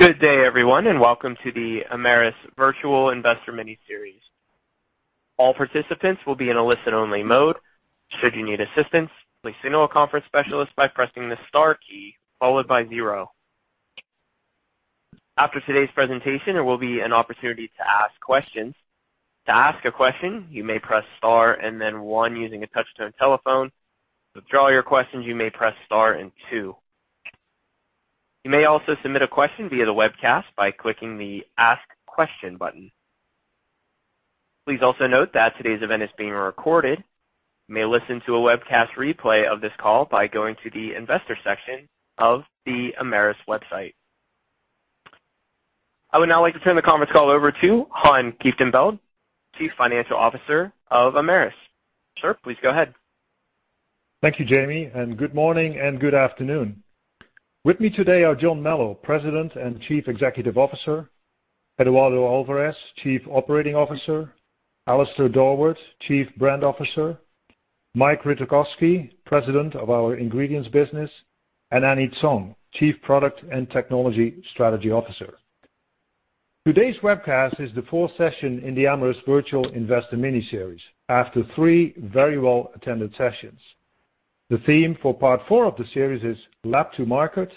Good day, everyone, and welcome to the Amyris Virtual Investor Miniseries. All participants will be in a listen-only mode. Should you need assistance, please signal a conference specialist by pressing the star key followed by zero. After today's presentation, there will be an opportunity to ask questions. To ask a question, you may press star and then one using a touch-tone telephone. To withdraw your questions, you may press star and two. You may also submit a question via the webcast by clicking the Ask Question button. Please also note that today's event is being recorded. You may listen to a webcast replay of this call by going to the investor section of the Amyris website. I would now like to turn the conference call over to Han Kieftenbeld, Chief Financial Officer of Amyris. Sir, please go ahead. Thank you, Jamie, good morning and good afternoon. With me today are John Melo, President and Chief Executive Officer, Eduardo Alvarez, Chief Operating Officer, Alastair Dorward, Chief Brand Officer, Mike Rytokoski, President of our Ingredients business, and Annie Tsong, Chief Product and Technology Strategy Officer. Today's webcast is the fourth session in the Amyris Virtual Investor Miniseries, after three very well-attended sessions. The theme for part four of the series is Lab to Market: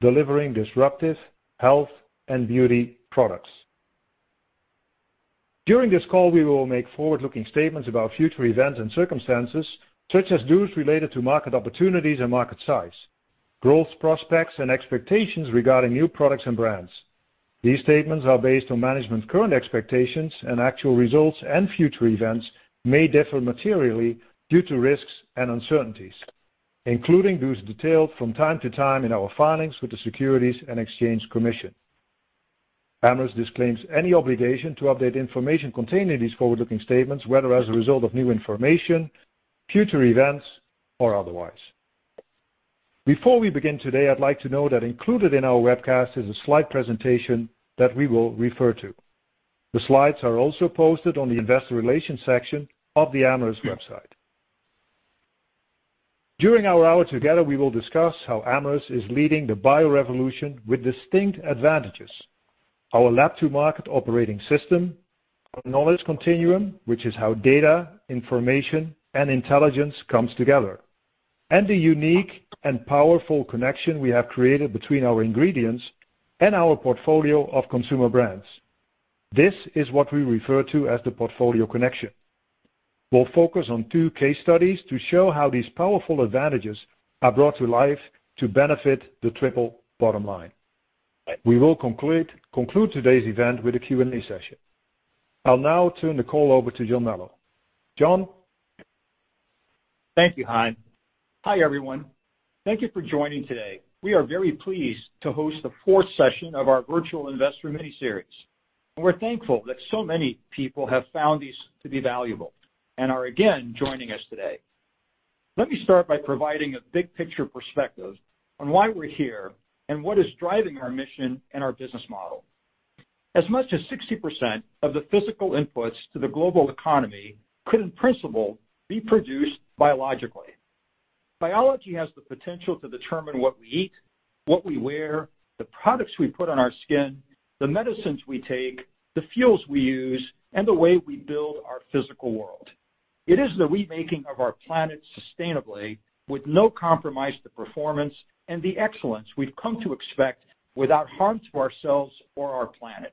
Delivering Disruptive Health and Beauty Products. During this call, we will make forward-looking statements about future events and circumstances, such as those related to market opportunities and market size, growth prospects, and expectations regarding new products and brands. These statements are based on management's current expectations and actual results and future events may differ materially due to risks and uncertainties, including those detailed from time to time in our filings with the Securities and Exchange Commission. Amyris disclaims any obligation to update information contained in these forward-looking statements, whether as a result of new information, future events, or otherwise. Before we begin today, I'd like to note that included in our webcast is a slide presentation that we will refer to. The slides are also posted on the investor relations section of the Amyris website. During our hour together, we will discuss how Amyris is leading the bio-revolution with distinct advantages. Our lab-to-market operating system, our knowledge continuum, which is how data, information, and intelligence comes together, and the unique and powerful connection we have created between our ingredients and our portfolio of consumer brands. This is what we refer to as the portfolio connection. We'll focus on two case studies to show how these powerful advantages are brought to life to benefit the triple bottom line. We will conclude today's event with a Q&A session. I'll now turn the call over to John Melo. John? Thank you, Han. Hi, everyone. Thank you for joining today. We are very pleased to host the fourth session of our virtual investor miniseries, and we're thankful that so many people have found these to be valuable and are again joining us today. Let me start by providing a big picture perspective on why we're here and what is driving our mission and our business model. As much as 60% of the physical inputs to the global economy could, in principle, be produced biologically. Biology has the potential to determine what we eat, what we wear, the products we put on our skin, the medicines we take, the fuels we use, and the way we build our physical world. It is the remaking of our planet sustainably with no compromise to performance and the excellence we've come to expect without harm to ourselves or our planet.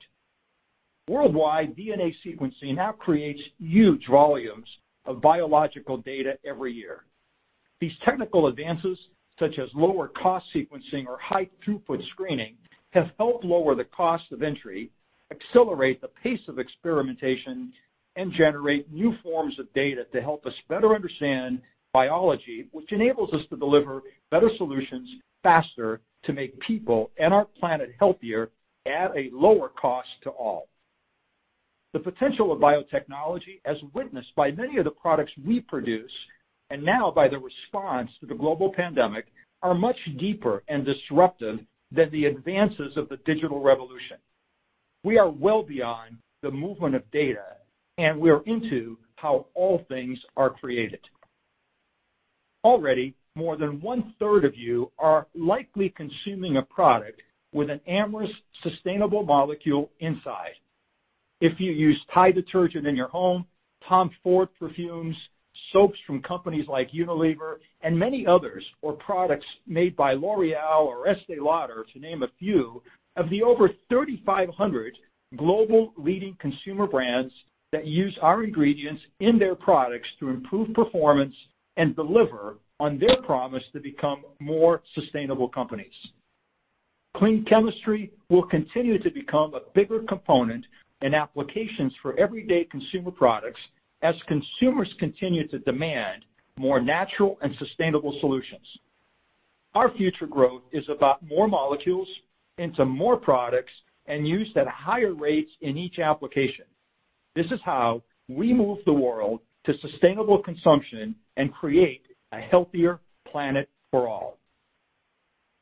Worldwide, DNA sequencing now creates huge volumes of biological data every year. These technical advances, such as lower cost sequencing or high throughput screening, have helped lower the cost of entry, accelerate the pace of experimentation, and generate new forms of data to help us better understand biology, which enables us to deliver better solutions faster to make people and our planet healthier at a lower cost to all. The potential of biotechnology, as witnessed by many of the products we produce and now by the response to the global pandemic, are much deeper and disruptive than the advances of the digital revolution. We are well beyond the movement of data, and we're into how all things are created. Already, more than one-third of you are likely consuming a product with an Amyris sustainable molecule inside. If you use Tide detergent in your home, Tom Ford perfumes, soaps from companies like Unilever and many others, or products made by L'Oréal or Estée Lauder, to name a few, of the over 3,500 global leading consumer brands that use our ingredients in their products to improve performance and deliver on their promise to become more sustainable companies. Clean chemistry will continue to become a bigger component in applications for everyday consumer products as consumers continue to demand more natural and sustainable solutions. Our future growth is about more molecules into more products and used at higher rates in each application. This is how we move the world to sustainable consumption and create a healthier planet for all.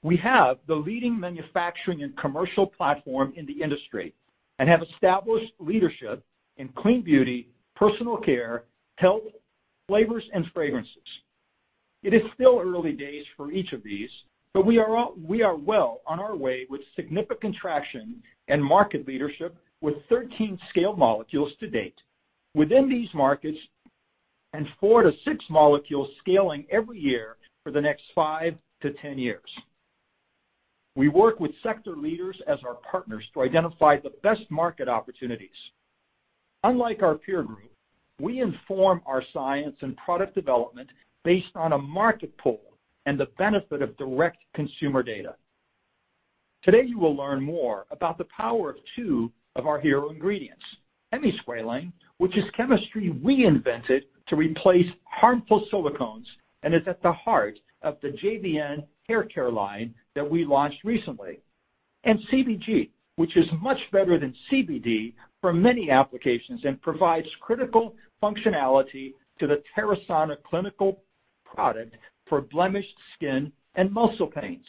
We have the leading manufacturing and commercial platform in the industry and have established leadership in clean beauty, personal care, health, flavors, and fragrances. It is still early days for each of these, but we are well on our way with significant traction and market leadership with 13 scale molecules to date within these markets and four to six molecules scaling every year for the next five to 10 years. We work with sector leaders as our partners to identify the best market opportunities. Unlike our peer group, we inform our science and product development based on a market pull and the benefit of direct consumer data. Today, you will learn more about the power of two of our hero ingredients, Amyris Squalane, which is chemistry we invented to replace harmful silicones and is at the heart of the JVN Hair care line that we launched recently, and CBG, which is much better than CBD for many applications and provides critical functionality to the Terasana Clinical product for blemished skin and muscle pains.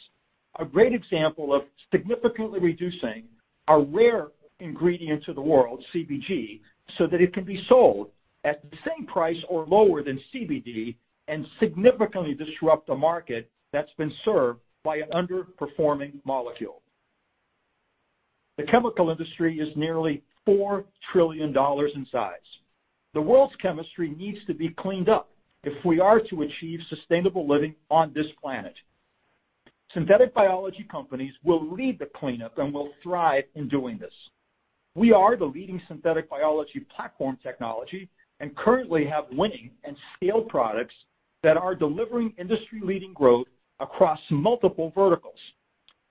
A great example of significantly reducing a rare ingredient to the world, CBG, so that it can be sold at the same price or lower than CBD and significantly disrupt a market that's been served by an underperforming molecule. The chemical industry is nearly $4 trillion in size. The world's chemistry needs to be cleaned up if we are to achieve sustainable living on this planet. Synthetic biology companies will lead the cleanup and will thrive in doing this. We are the leading synthetic biology platform technology and currently have winning and scaled products that are delivering industry-leading growth across multiple verticals.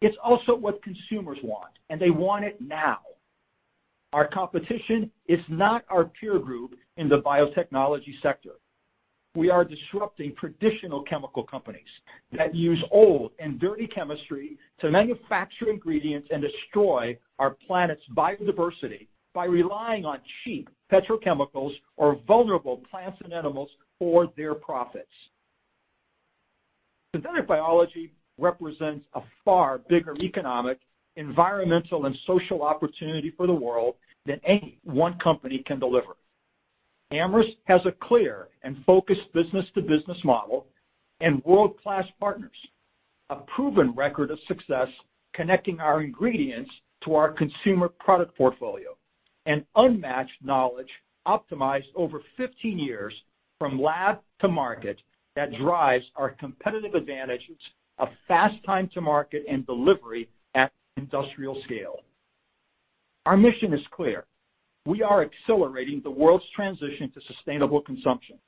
It's also what consumers want, and they want it now. Our competition is not our peer group in the biotechnology sector. We are disrupting traditional chemical companies that use old and dirty chemistry to manufacture ingredients and destroy our planet's biodiversity by relying on cheap petrochemicals or vulnerable plants and animals for their profits. Synthetic biology represents a far bigger economic, environmental, and social opportunity for the world than any one company can deliver. Amyris has a clear and focused business-to-business model and world-class partners, a proven record of success connecting our ingredients to our consumer product portfolio, and unmatched knowledge optimized over 15 years from lab to market that drives our competitive advantages of fast time to market and delivery at industrial scale. Our mission is clear. We are accelerating the world's transition to sustainable consumption.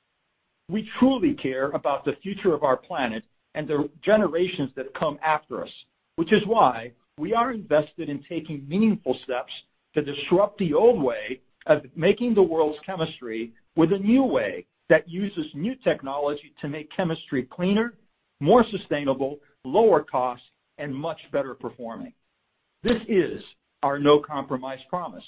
We truly care about the future of our planet and the generations that come after us, which is why we are invested in taking meaningful steps to disrupt the old way of making the world's chemistry with a new way that uses new technology to make chemistry cleaner, more sustainable, lower cost, and much better performing. This is our no compromise promise.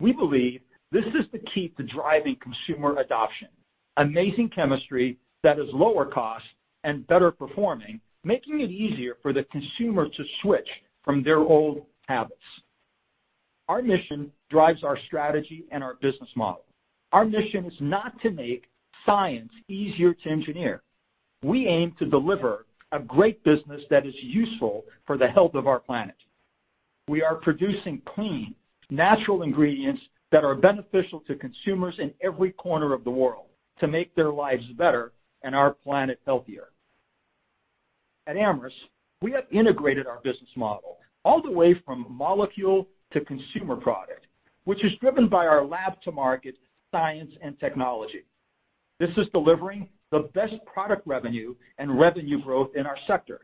We believe this is the key to driving consumer adoption. Amazing chemistry that is lower cost and better performing, making it easier for the consumer to switch from their old habits. Our mission drives our strategy and our business model. Our mission is not to make science easier to engineer. We aim to deliver a great business that is useful for the health of our planet. We are producing clean, natural ingredients that are beneficial to consumers in every corner of the world to make their lives better and our planet healthier. At Amyris, we have integrated our business model all the way from molecule to consumer product, which is driven by our lab-to-market science and technology. This is delivering the best product revenue and revenue growth in our sector.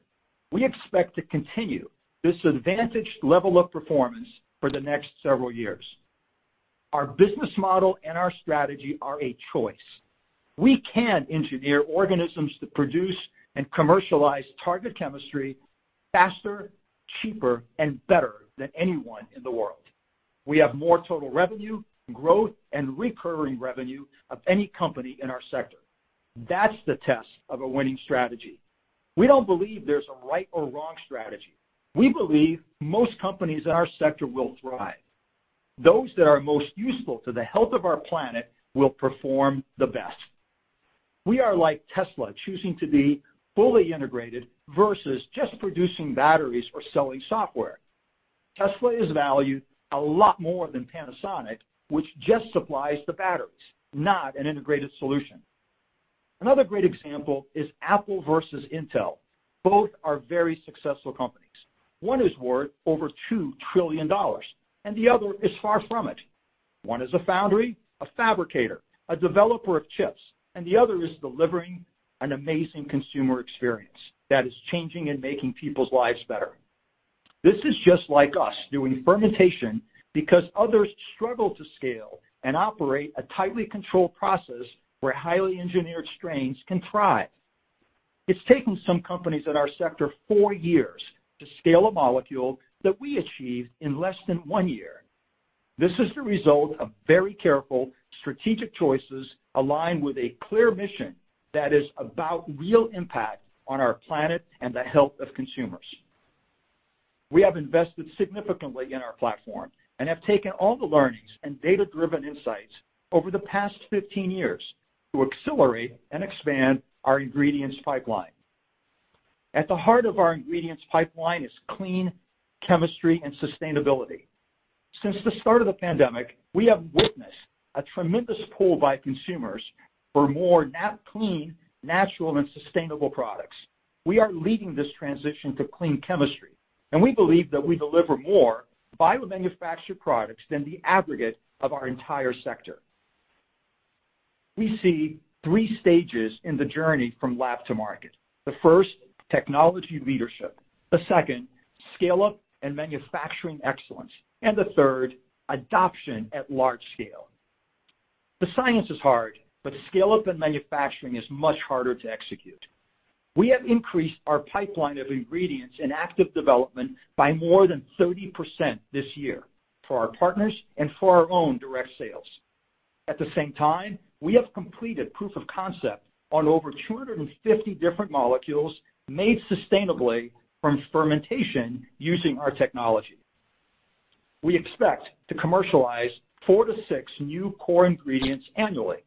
We expect to continue this advantaged level of performance for the next several years. Our business model and our strategy are a choice. We can engineer organisms to produce and commercialize target chemistry faster, cheaper, and better than anyone in the world. We have more total revenue, growth, and recurring revenue of any company in our sector. That's the test of a winning strategy. We don't believe there's a right or wrong strategy. We believe most companies in our sector will thrive. Those that are most useful to the health of our planet will perform the best. We are like Tesla, choosing to be fully integrated versus just producing batteries or selling software. Tesla is valued a lot more than Panasonic, which just supplies the batteries, not an integrated solution. Another great example is Apple versus Intel. Both are very successful companies. One is worth over $2 trillion. The other is far from it. One is a foundry, a fabricator, a developer of chips, and the other is delivering an amazing consumer experience that is changing and making people's lives better. This is just like us doing fermentation because others struggle to scale and operate a tightly controlled process where highly engineered strains can thrive. It's taken some companies in our sector four years to scale a molecule that we achieved in less than one year. This is the result of very careful strategic choices aligned with a clear mission that is about real impact on our planet and the health of consumers. We have invested significantly in our platform and have taken all the learnings and data-driven insights over the past 15 years to accelerate and expand our ingredients pipeline. At the heart of our ingredients pipeline is clean chemistry and sustainability. Since the start of the pandemic, we have witnessed a tremendous pull by consumers for more clean, natural, and sustainable products. We are leading this transition to clean chemistry. We believe that we deliver more bio-manufactured products than the aggregate of our entire sector. We see three stages in the journey from lab to market. The first, technology leadership, the second, scale-up and manufacturing excellence, and the third, adoption at large scale. The science is hard, but scale-up and manufacturing is much harder to execute. We have increased our pipeline of ingredients in active development by more than 30% this year for our partners and for our own direct sales. At the same time, we have completed proof of concept on over 250 different molecules made sustainably from fermentation using our technology. We expect to commercialize four to six new core ingredients annually.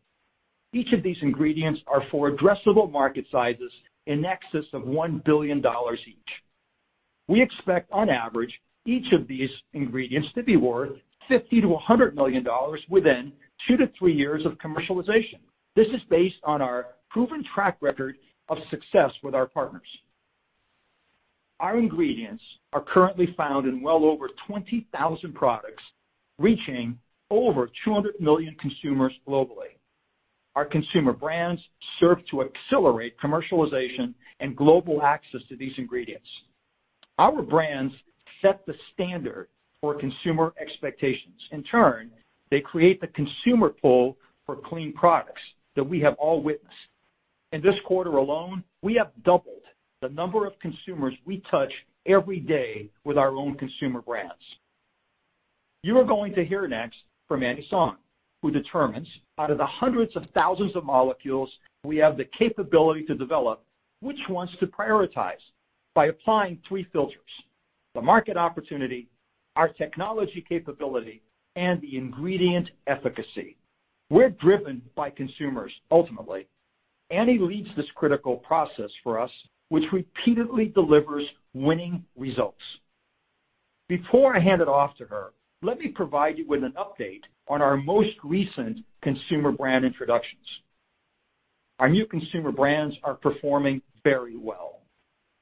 Each of these ingredients are for addressable market sizes in excess of $1 billion each. We expect, on average, each of these ingredients to be worth $50 million-$100 million within two to three years of commercialization. This is based on our proven track record of success with our partners. Our ingredients are currently found in well over 20,000 products, reaching over 200 million consumers globally. Our consumer brands serve to accelerate commercialization and global access to these ingredients. Our brands set the standard for consumer expectations. In turn, they create the consumer pull for clean products that we have all witnessed. In this quarter alone, we have doubled the number of consumers we touch every day with our own consumer brands. You are going to hear next from Annie Tsong, who determines, out of the hundreds of thousands of molecules we have the capability to develop, which ones to prioritize by applying three filters. The market opportunity, our technology capability, and the ingredient efficacy. We're driven by consumers ultimately. Annie leads this critical process for us, which repeatedly delivers winning results. Before I hand it off to her, let me provide you with an update on our most recent consumer brand introductions. Our new consumer brands are performing very well.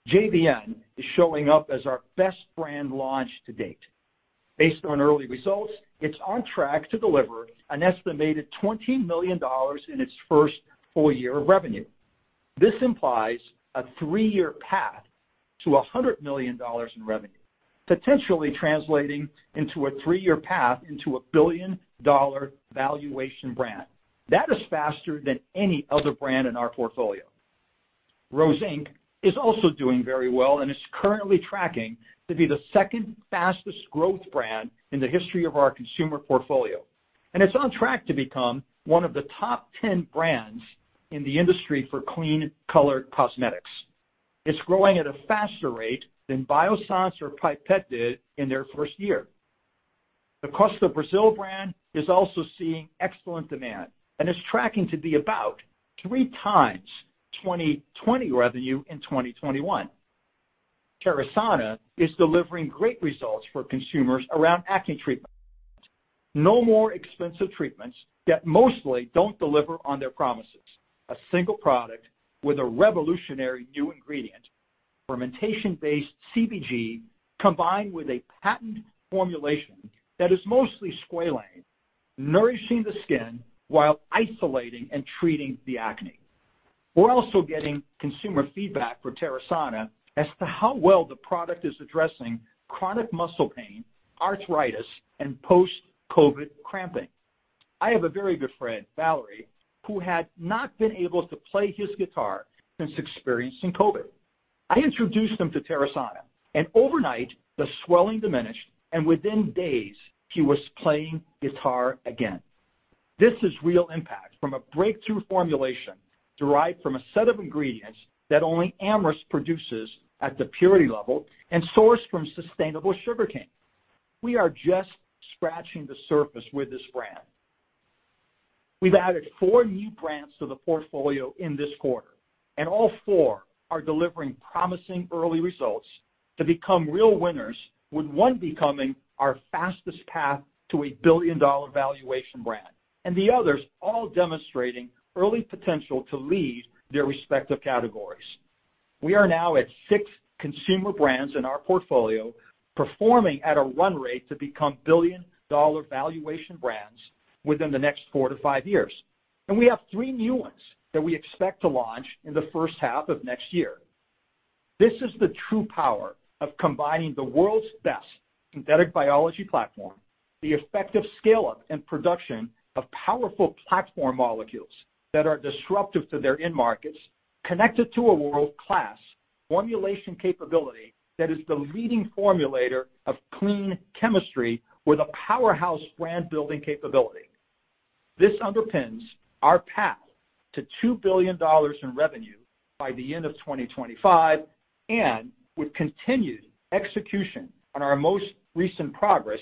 JVN is showing up as our best brand launch to date. Based on early results, it's on track to deliver an estimated $20 million in its first full year of revenue. This implies a three-year path to $100 million in revenue, potentially translating into a three-year path into a billion-dollar valuation brand. That is faster than any other brand in our portfolio. Rose Inc. is also doing very well and is currently tracking to be the second fastest growth brand in the history of our consumer portfolio. It's on track to become one of the top 10 brands in the industry for clean color cosmetics. It's growing at a faster rate than Biossance and Pipette did in their first year. The Costa Brazil brand is also seeing excellent demand and is tracking to be about 3x 2020 revenue in 2021. Terasana is delivering great results for consumers around acne treatment. No more expensive treatments that mostly don't deliver on their promises. A single product with a revolutionary new ingredient, fermentation-based CBG, combined with a patent formulation that is mostly squalane, nourishing the skin while isolating and treating the acne. We're also getting consumer feedback for Terasana as to how well the product is addressing chronic muscle pain, arthritis, and post-COVID cramping. I have a very good friend, Valerie, who had not been able to play his guitar since experiencing COVID. I introduced him to Terasana, and overnight, the swelling diminished, and within days, he was playing guitar again. This is real impact from a breakthrough formulation derived from a set of ingredients that only Amyris produces at the purity level and sourced from sustainable sugarcane. We are just scratching the surface with this brand. We've added four new brands to the portfolio in this quarter, and all four are delivering promising early results to become real winners, with one becoming our fastest path to a billion-dollar valuation brand, and the others all demonstrating early potential to lead their respective categories. We are now at six consumer brands in our portfolio, performing at a run rate to become billion-dollar valuation brands within the next four to five years. We have three new ones that we expect to launch in the first half of next year. This is the true power of combining the world's best synthetic biology platform, the effective scale-up and production of powerful platform molecules that are disruptive to their end markets, connected to a world-class formulation capability that is the leading formulator of clean chemistry with a powerhouse brand building capability. This underpins our path to $2 billion in revenue by the end of 2025, and with continued execution on our most recent progress,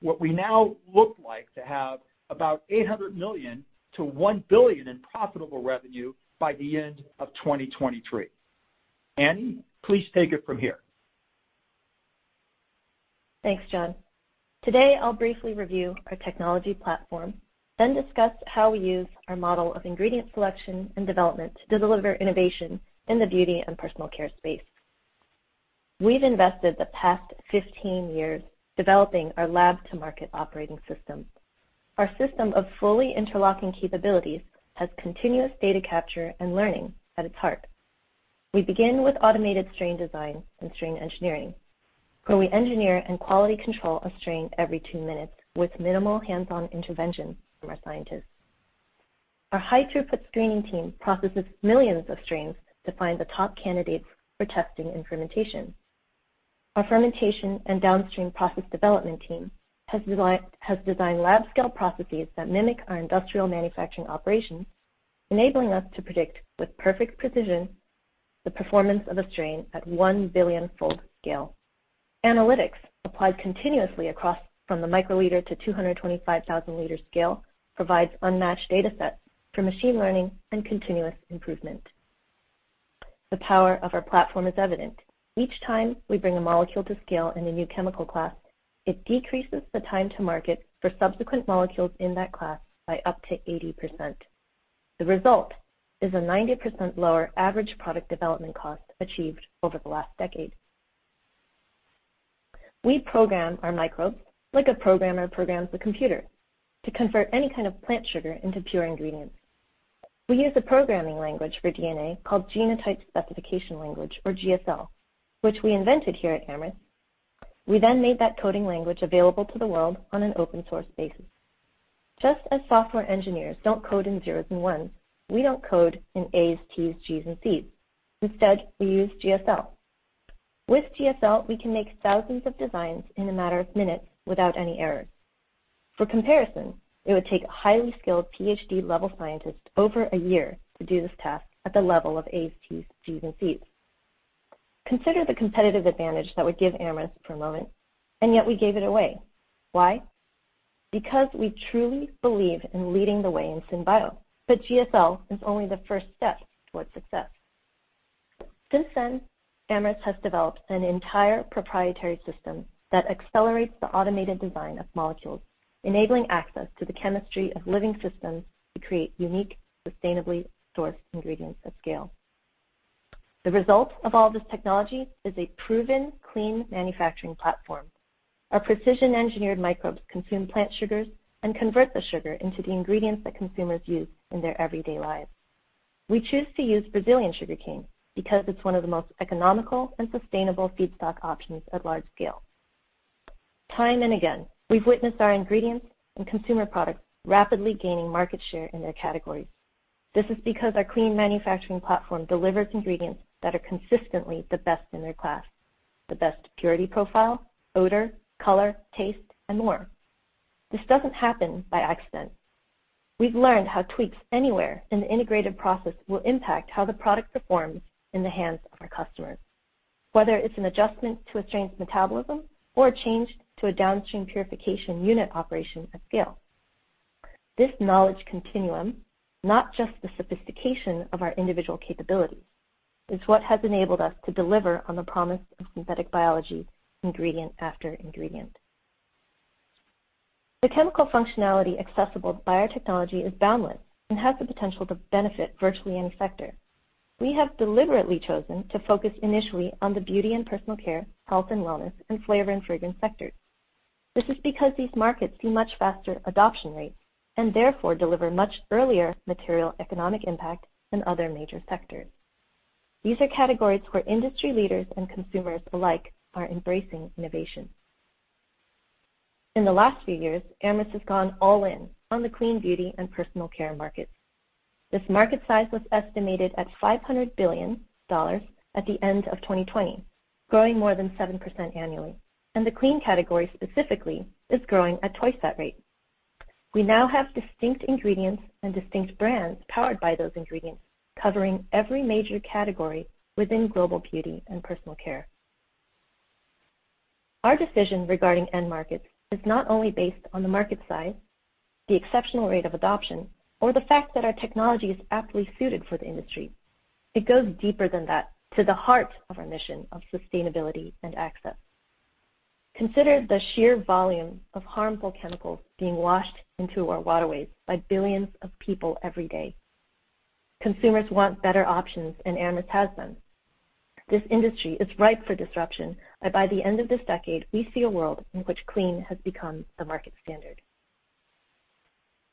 what we now look like to have about $800 million-$1 billion in profitable revenue by the end of 2023. Annie, please take it from here. Thanks, John. Today, I'll briefly review our technology platform, then discuss how we use our model of ingredient selection and development to deliver innovation in the beauty and personal care space. We've invested the past 15 years developing our lab-to-market operating system. Our system of fully interlocking capabilities has continuous data capture and learning at its heart. We begin with automated strain design and strain engineering, where we engineer and quality control a strain every two minutes with minimal hands-on intervention from our scientists. Our high-throughput screening team processes millions of strains to find the top candidates for testing and fermentation. Our fermentation and downstream process development team has designed lab-scale processes that mimic our industrial manufacturing operations, enabling us to predict with perfect precision the performance of a strain at one billion-fold scale. Analytics applied continuously across from the microliter to 225,000 L scale provides unmatched data sets for machine learning and continuous improvement. The power of our platform is evident. Each time we bring a molecule to scale in a new chemical class, it decreases the time to market for subsequent molecules in that class by up to 80%. The result is a 90% lower average product development cost achieved over the last decade. We program our microbes like a programmer programs a computer to convert any kind of plant sugar into pure ingredients. We use a programming language for DNA called Genotype Specification Language, or GSL, which we invented here at Amyris. We then made that coding language available to the world on an open source basis. Just as software engineers don't code in zeros and ones, we don't code in A's, T's, G's, and C's. Instead, we use GSL. With GSL, we can make thousands of designs in a matter of minutes without any errors. For comparison, it would take highly skilled PhD level scientists over a year to do this task at the level of A's, T's, G's, and C's. Consider the competitive advantage that would give Amyris for a moment, and yet we gave it away. Why? Because we truly believe in leading the way in syn bio. GSL is only the first step towards success. Since then, Amyris has developed an entire proprietary system that accelerates the automated design of molecules, enabling access to the chemistry of living systems to create unique, sustainably sourced ingredients at scale. The result of all this technology is a proven clean manufacturing platform. Our precision engineered microbes consume plant sugars and convert the sugar into the ingredients that consumers use in their everyday lives. We choose to use Brazilian sugarcane because it's one of the most economical and sustainable feedstock options at large scale. Time and again, we've witnessed our ingredients and consumer products rapidly gaining market share in their categories. This is because our clean manufacturing platform delivers ingredients that are consistently the best in their class, the best purity profile, odor, color, taste, and more. This doesn't happen by accident. We've learned how tweaks anywhere in the integrated process will impact how the product performs in the hands of our customers, whether it's an adjustment to a strain's metabolism or a change to a downstream purification unit operation at scale. This knowledge continuum, not just the sophistication of our individual capabilities, is what has enabled us to deliver on the promise of synthetic biology ingredient after ingredient. The chemical functionality accessible by our technology is boundless and has the potential to benefit virtually any sector. We have deliberately chosen to focus initially on the beauty and personal care, health and wellness, and flavor and fragrance sectors. This is because these markets see much faster adoption rates, and therefore deliver much earlier material economic impact than other major sectors. These are categories where industry leaders and consumers alike are embracing innovation. In the last few years, Amyris has gone all in on the clean beauty and personal care markets. This market size was estimated at $500 billion at the end of 2020, growing more than 7% annually, and the clean category specifically is growing at 2x that rate. We now have distinct ingredients and distinct brands powered by those ingredients, covering every major category within global beauty and personal care. Our decision regarding end markets is not only based on the market size, the exceptional rate of adoption, or the fact that our technology is aptly suited for the industry. It goes deeper than that to the heart of our mission of sustainability and access. Consider the sheer volume of harmful chemicals being washed into our waterways by billions of people every day. Consumers want better options, and Amyris has them. This industry is ripe for disruption, and by the end of this decade, we see a world in which clean has become the market standard.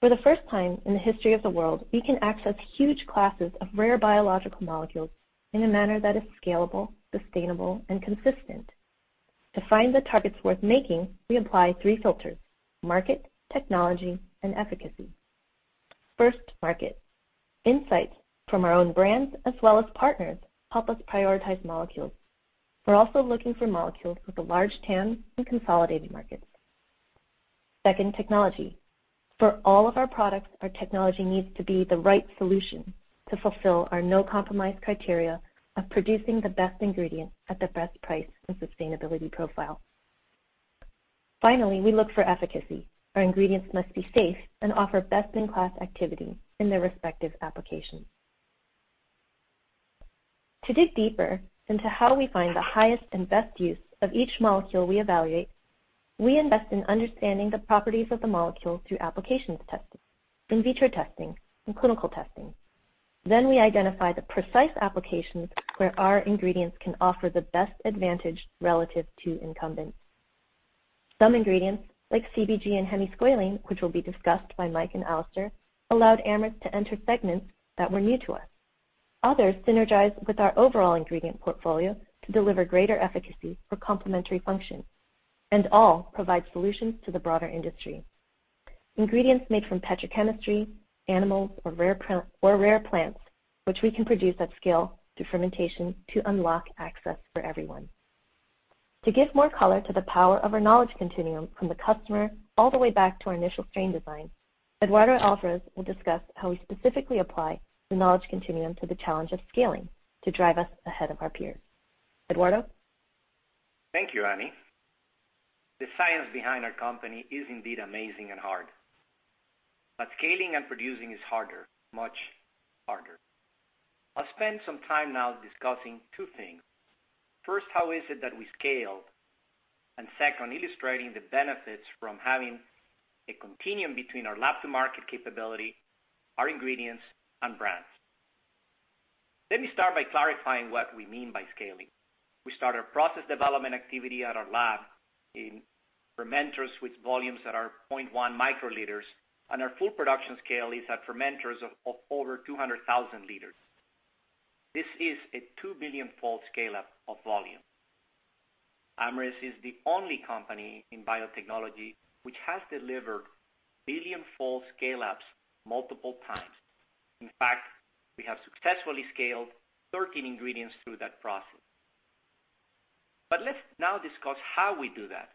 For the first time in the history of the world, we can access huge classes of rare biological molecules in a manner that is scalable, sustainable, and consistent. To find the targets worth making, we apply three filters, market, technology, and efficacy. First, market. Insights from our own brands as well as partners help us prioritize molecules. We're also looking for molecules with a large TAM and consolidated markets. Second, technology. For all of our products, our technology needs to be the right solution to fulfill our no compromise criteria of producing the best ingredient at the best price and sustainability profile. Finally, we look for efficacy. Our ingredients must be safe and offer best in class activity in their respective applications. To dig deeper into how we find the highest and best use of each molecule we evaluate, we invest in understanding the properties of the molecule through applications testing, in vitro testing, and clinical testing. We identify the precise applications where our ingredients can offer the best advantage relative to incumbents. Some ingredients, like CBG and hemisqualane, which will be discussed by Mike and Alastair, allowed Amyris to enter segments that were new to us. Others synergize with our overall ingredient portfolio to deliver greater efficacy for complementary functions, and all provide solutions to the broader industry. Ingredients made from petrochemistry, animals, or rare plants, which we can produce at scale through fermentation to unlock access for everyone. To give more color to the power of our knowledge continuum from the customer all the way back to our initial strain design, Eduardo Alvarez will discuss how we specifically apply the knowledge continuum to the challenge of scaling to drive us ahead of our peers. Eduardo? Thank you, Annie. The science behind our company is indeed amazing and hard, but scaling and producing is harder. Much harder. I'll spend some time now discussing two things. First, how is it that we scale, and second, illustrating the benefits from having a continuum between our lab to market capability, our ingredients, and brands. Let me start by clarifying what we mean by scaling. We start our process development activity at our lab in fermenters with volumes that are 0.1 uL, and our full production scale is at fermenters of over 200,000 L. This is a 2 billion-fold scale-up of volume. Amyris is the only company in biotechnology which has delivered billion-fold scale-ups multiple times. In fact, we have successfully scaled 13 ingredients through that process. Let's now discuss how we do that.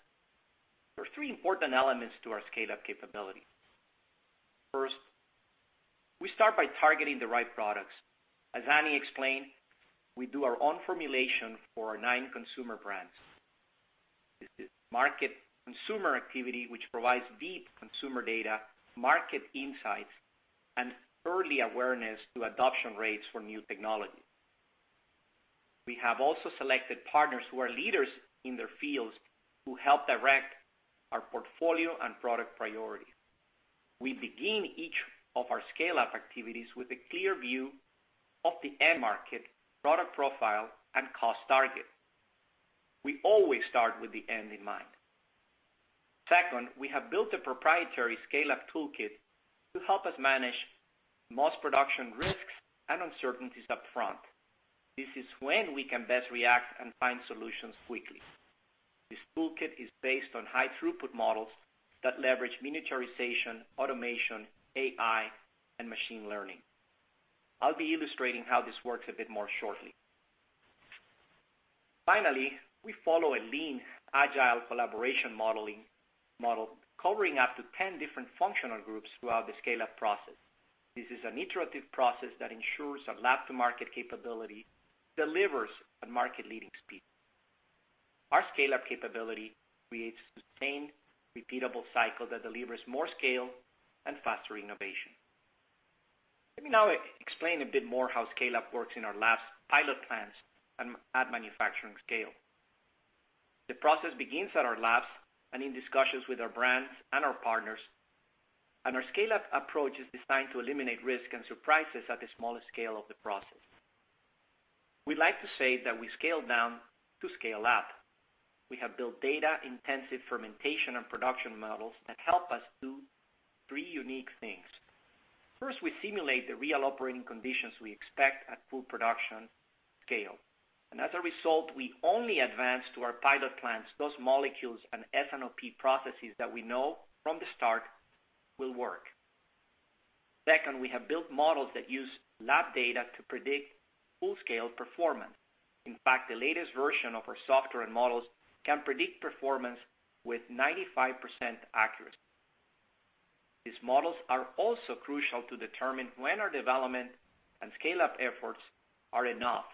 There are three important elements to our scale-up capability. First, we start by targeting the right products. As Annie explained, we do our own formulation for our nine consumer brands. This is market consumer activity, which provides deep consumer data, market insights, and early awareness to adoption rates for new technology. We have also selected partners who are leaders in their fields who help direct our portfolio and product priority. We begin each of our scale-up activities with a clear view of the end market, product profile, and cost target. We always start with the end in mind. Second, we have built a proprietary scale-up toolkit to help us manage most production risks and uncertainties up front. This is when we can best react and find solutions quickly. This toolkit is based on high throughput models that leverage miniaturization, automation, AI, and machine learning. I'll be illustrating how this works a bit more shortly. Finally, we follow a lean, agile collaboration model covering up to 10 different functional groups throughout the scale-up process. This is an iterative process that ensures our lab to market capability delivers at market leading speed. Our scale-up capability creates sustained, repeatable cycle that delivers more scale and faster innovation. Let me now explain a bit more how scale-up works in our labs pilot plants and at manufacturing scale. Our scale-up approach is designed to eliminate risk and surprises at the smallest scale of the process. We like to say that we scale down to scale up. We have built data intensive fermentation and production models that help us do three unique things. First, we simulate the real operating conditions we expect at full production scale. As a result, we only advance to our pilot plants those molecules and S&OP processes that we know from the start will work. Second, we have built models that use lab data to predict full scale performance. In fact, the latest version of our software and models can predict performance with 95% accuracy. These models are also crucial to determine when our development and scale-up efforts are enough,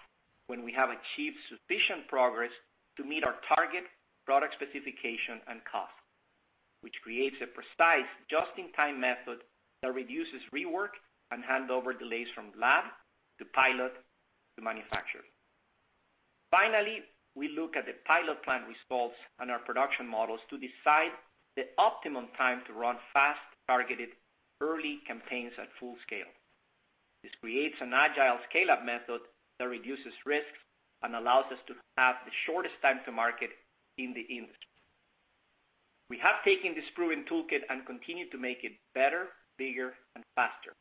when we have achieved sufficient progress to meet our target product specification and cost, which creates a precise just in time method that reduces rework and handover delays from lab to pilot to manufacturer. Finally, we look at the pilot plan results and our production models to decide the optimum time to run fast, targeted early campaigns at full scale. This creates an agile scale-up method that reduces risks and allows us to have the shortest time to market in the industry. We have taken this proven toolkit and continue to make it better, bigger and faster.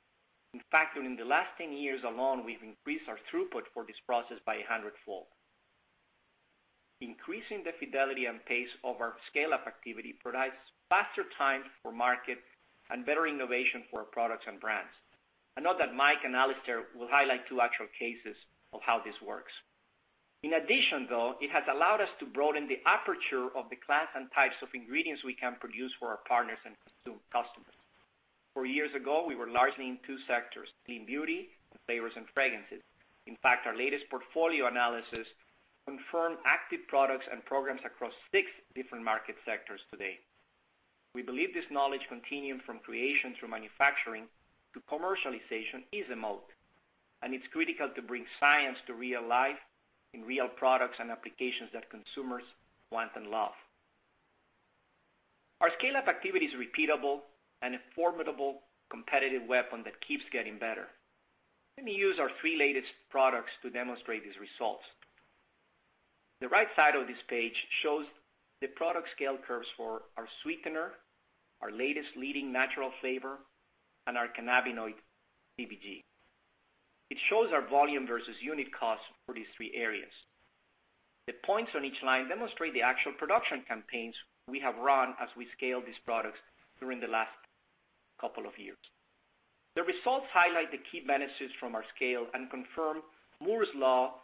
In fact, during the last 10 years alone, we've increased our throughput for this process by 100-fold. Increasing the fidelity and pace of our scale-up activity provides faster time for market and better innovation for our products and brands. I know that Mike and Alastair will highlight two actual cases of how this works. In addition, though, it has allowed us to broaden the aperture of the class and types of ingredients we can produce for our partners and customers. Four years ago, we were largely in two sectors, clean beauty and flavors and fragrances. In fact, our latest portfolio analysis confirmed active products and programs across six different market sectors today. We believe this knowledge continuum from creation through manufacturing to commercialization is a moat, and it's critical to bring science to real life in real products and applications that consumers want and love. Our scale-up activity is repeatable and a formidable competitive weapon that keeps getting better. Let me use our 3 latest products to demonstrate these results. The right side of this page shows the product scale curves for our sweetener, our latest leading natural flavor, and our cannabinoid CBG. It shows our volume versus unit cost for these three areas. The points on each line demonstrate the actual production campaigns we have run as we scale these products during the last couple of years. The results highlight the key benefits from our scale and confirm Moore's law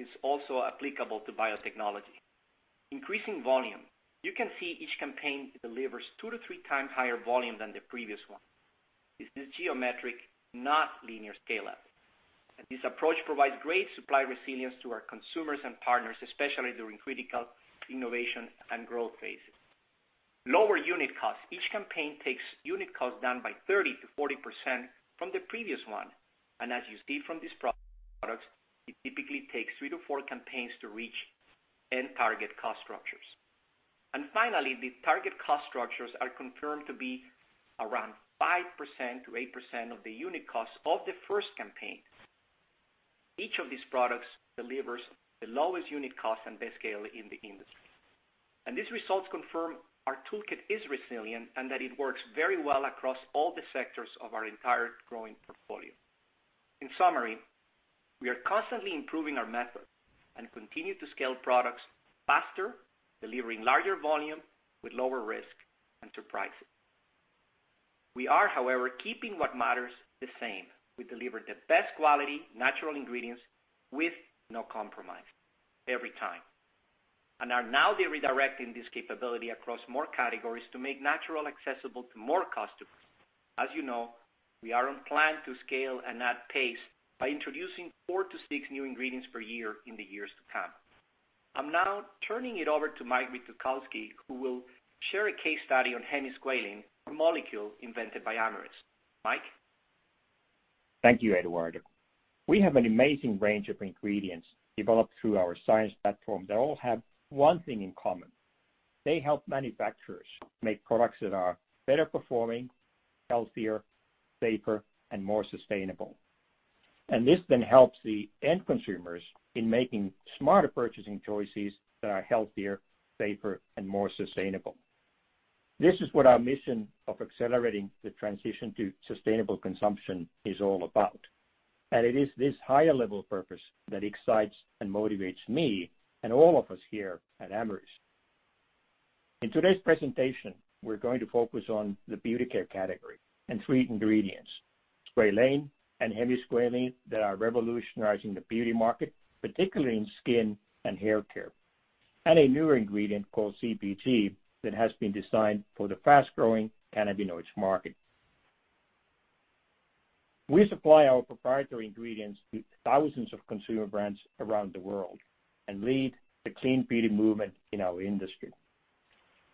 is also applicable to biotechnology. Increasing volume. You can see each campaign delivers 2x to 3x higher volume than the previous one. This is geometric, not linear scale-up. This approach provides great supply resilience to our consumers and partners, especially during critical innovation and growth phases. Lower unit cost. Each campaign takes unit cost down by 30% - 40% from the previous one. As you see from these products, it typically takes three to four campaigns to reach end target cost structures. Finally, the target cost structures are confirmed to be around 5% - 8% of the unit cost of the first campaign. Each of these products delivers the lowest unit cost and best scale in the industry. These results confirm our toolkit is resilient and that it works very well across all the sectors of our entire growing portfolio. In summary, we are constantly improving our methods and continue to scale products faster, delivering larger volume with lower risk and surprises. We are, however, keeping what matters the same. We deliver the best quality natural ingredients with no compromise, every time. Are now redirecting this capability across more categories to make natural accessible to more customers. As you know, we are on plan to scale and add pace by introducing four to six new ingredients per year in the years to come. I'm now turning it over to Mike Rytokoski, who will share a case study on hemisqualane, a molecule invented by Amyris. Mike? Thank you, Eduardo. We have an amazing range of ingredients developed through our science platform. They all have one thing in common. They help manufacturers make products that are better performing, healthier, safer, and more sustainable. This then helps the end consumers in making smarter purchasing choices that are healthier, safer, and more sustainable. This is what our mission of accelerating the transition to sustainable consumption is all about. It is this higher level purpose that excites and motivates me and all of us here at Amyris. In today's presentation, we're going to focus on the beauty care category and three ingredients, squalane and hemisqualane, that are revolutionizing the beauty market, particularly in skin and hair care, and a newer ingredient called CBG that has been designed for the fast-growing cannabinoids market. We supply our proprietary ingredients to thousands of consumer brands around the world and lead the clean beauty movement in our industry.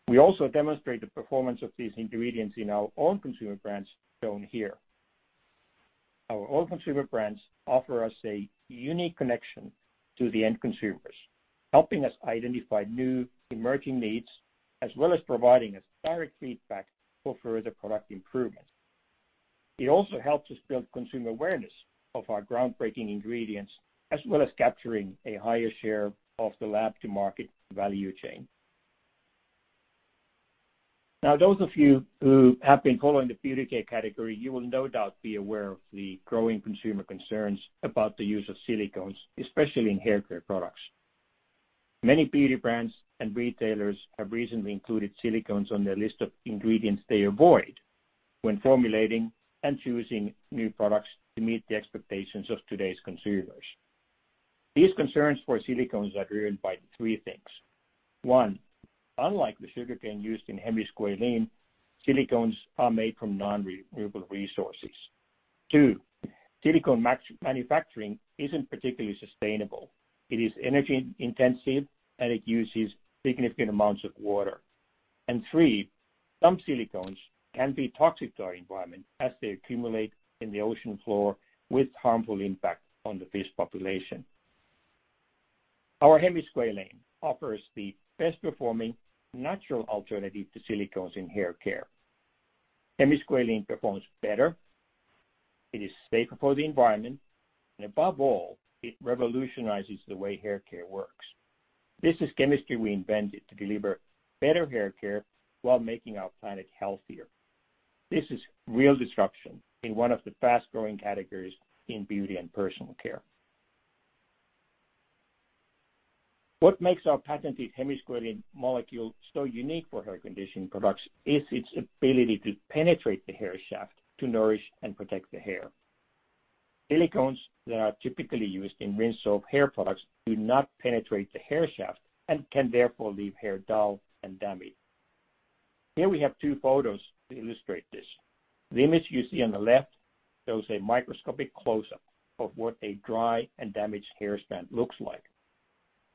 We also demonstrate the performance of these ingredients in our own consumer brands, shown here. Our own consumer brands offer us a unique connection to the end consumers, helping us identify new emerging needs, as well as providing us direct feedback for further product improvement. It also helps us build consumer awareness of our groundbreaking ingredients, as well as capturing a higher share of the lab to market value chain. Those of you who have been following the beauty care category, you will no doubt be aware of the growing consumer concerns about the use of silicones, especially in hair care products. Many beauty brands and retailers have recently included silicones on their list of ingredients they avoid when formulating and choosing new products to meet the expectations of today's consumers. These concerns for silicones are driven by three things. One, unlike the sugarcane used in hemisqualane, silicones are made from non-renewable resources. Two, silicone manufacturing isn't particularly sustainable. It is energy intensive, and it uses significant amounts of water. Three, some silicones can be toxic to our environment as they accumulate in the ocean floor with harmful impact on the fish population. Our hemisqualane offers the best performing natural alternative to silicones in hair care. Hemisqualane performs better, it is safer for the environment, and above all, it revolutionizes the way hair care works. This is chemistry we invented to deliver better hair care while making our planet healthier. This is real disruption in one of the fast-growing categories in beauty and personal care. What makes our patented hemisqualane molecule so unique for hair conditioning products is its ability to penetrate the hair shaft to nourish and protect the hair. Silicones that are typically used in rinse-off hair products do not penetrate the hair shaft and can therefore leave hair dull and damaged. Here we have two photos to illustrate this. The image you see on the left shows a microscopic close-up of what a dry and damaged hair strand looks like.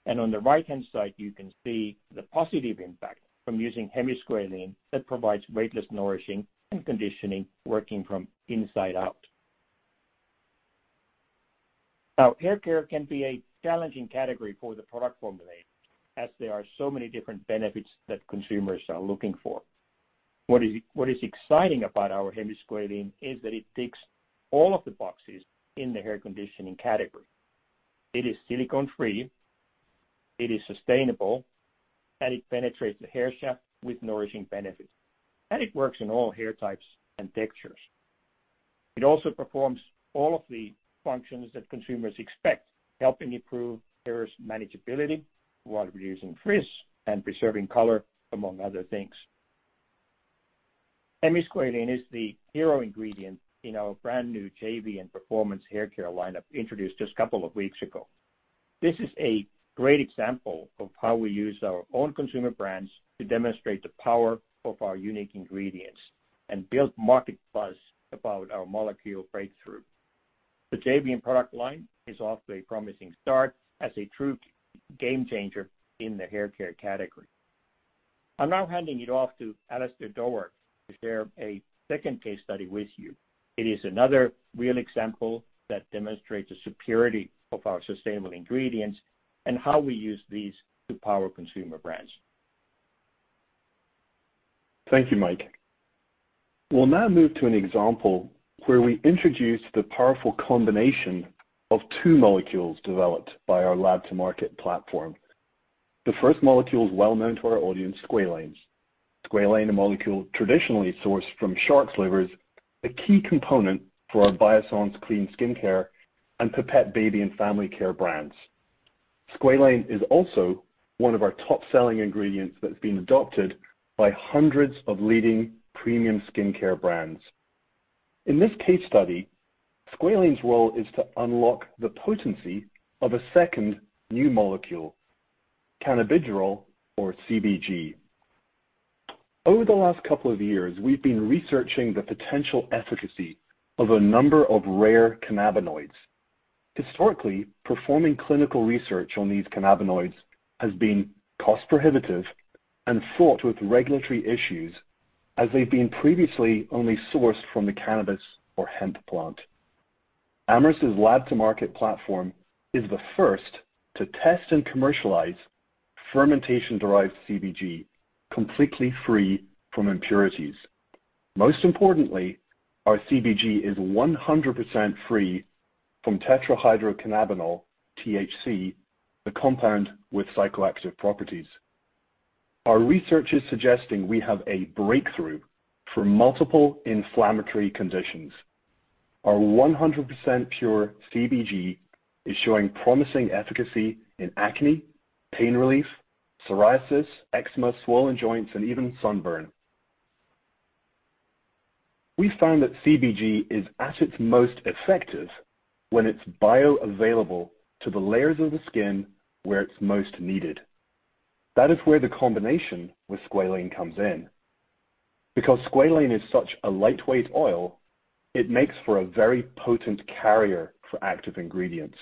On the right-hand side, you can see the positive impact from using hemisqualane that provides weightless nourishing and conditioning working from inside out. Now, hair care can be a challenging category for the product formulator, as there are so many different benefits that consumers are looking for. What is exciting about our hemisqualane is that it ticks all of the boxes in the hair conditioning category. It is silicone-free, it is sustainable, and it penetrates the hair shaft with nourishing benefits. It works on all hair types and textures. It also performs all of the functions that consumers expect, helping improve hair's manageability while reducing frizz and preserving color, among other things. Hemisqualane is the hero ingredient in our brand new JVN Performance Hair Care lineup introduced just a couple of weeks ago. This is a great example of how we use our own consumer brands to demonstrate the power of our unique ingredients and build market buzz about our molecule breakthrough. The JVN product line is off to a promising start as a true game changer in the hair care category. I'm now handing it off to Alastair Dorward to share a second case study with you. It is another real example that demonstrates the superiority of our sustainable ingredients and how we use these to power consumer brands. Thank you, Mike. We'll now move to an example where we introduce the powerful combination of two molecules developed by our lab-to-market platform. The first molecule is well known to our audience, squalene. Squalene, a molecule traditionally sourced from shark's livers, a key component for our Biossance clean skincare and Pipette baby and family care brands, is also one of our top-selling ingredients that's been adopted by hundreds of leading premium skincare brands. In this case study, squalene's role is to unlock the potency of a second new molecule, cannabigerol or CBG. Over the last couple of years, we've been researching the potential efficacy of a number of rare cannabinoids. Historically, performing clinical research on these cannabinoids has been cost-prohibitive and fraught with regulatory issues as they've been previously only sourced from the cannabis or hemp plant. Amyris' lab-to-market platform is the first to test and commercialize fermentation-derived CBG, completely free from impurities. Most importantly, our CBG is 100% free from tetrahydrocannabinol, THC, the compound with psychoactive properties. Our research is suggesting we have a breakthrough for multiple inflammatory conditions. Our 100% pure CBG is showing promising efficacy in acne, pain relief, psoriasis, eczema, swollen joints, and even sunburn. We found that CBG is at its most effective when it's bioavailable to the layers of the skin where it's most needed. That is where the combination with squalane comes in. Because squalane is such a lightweight oil, it makes for a very potent carrier for active ingredients.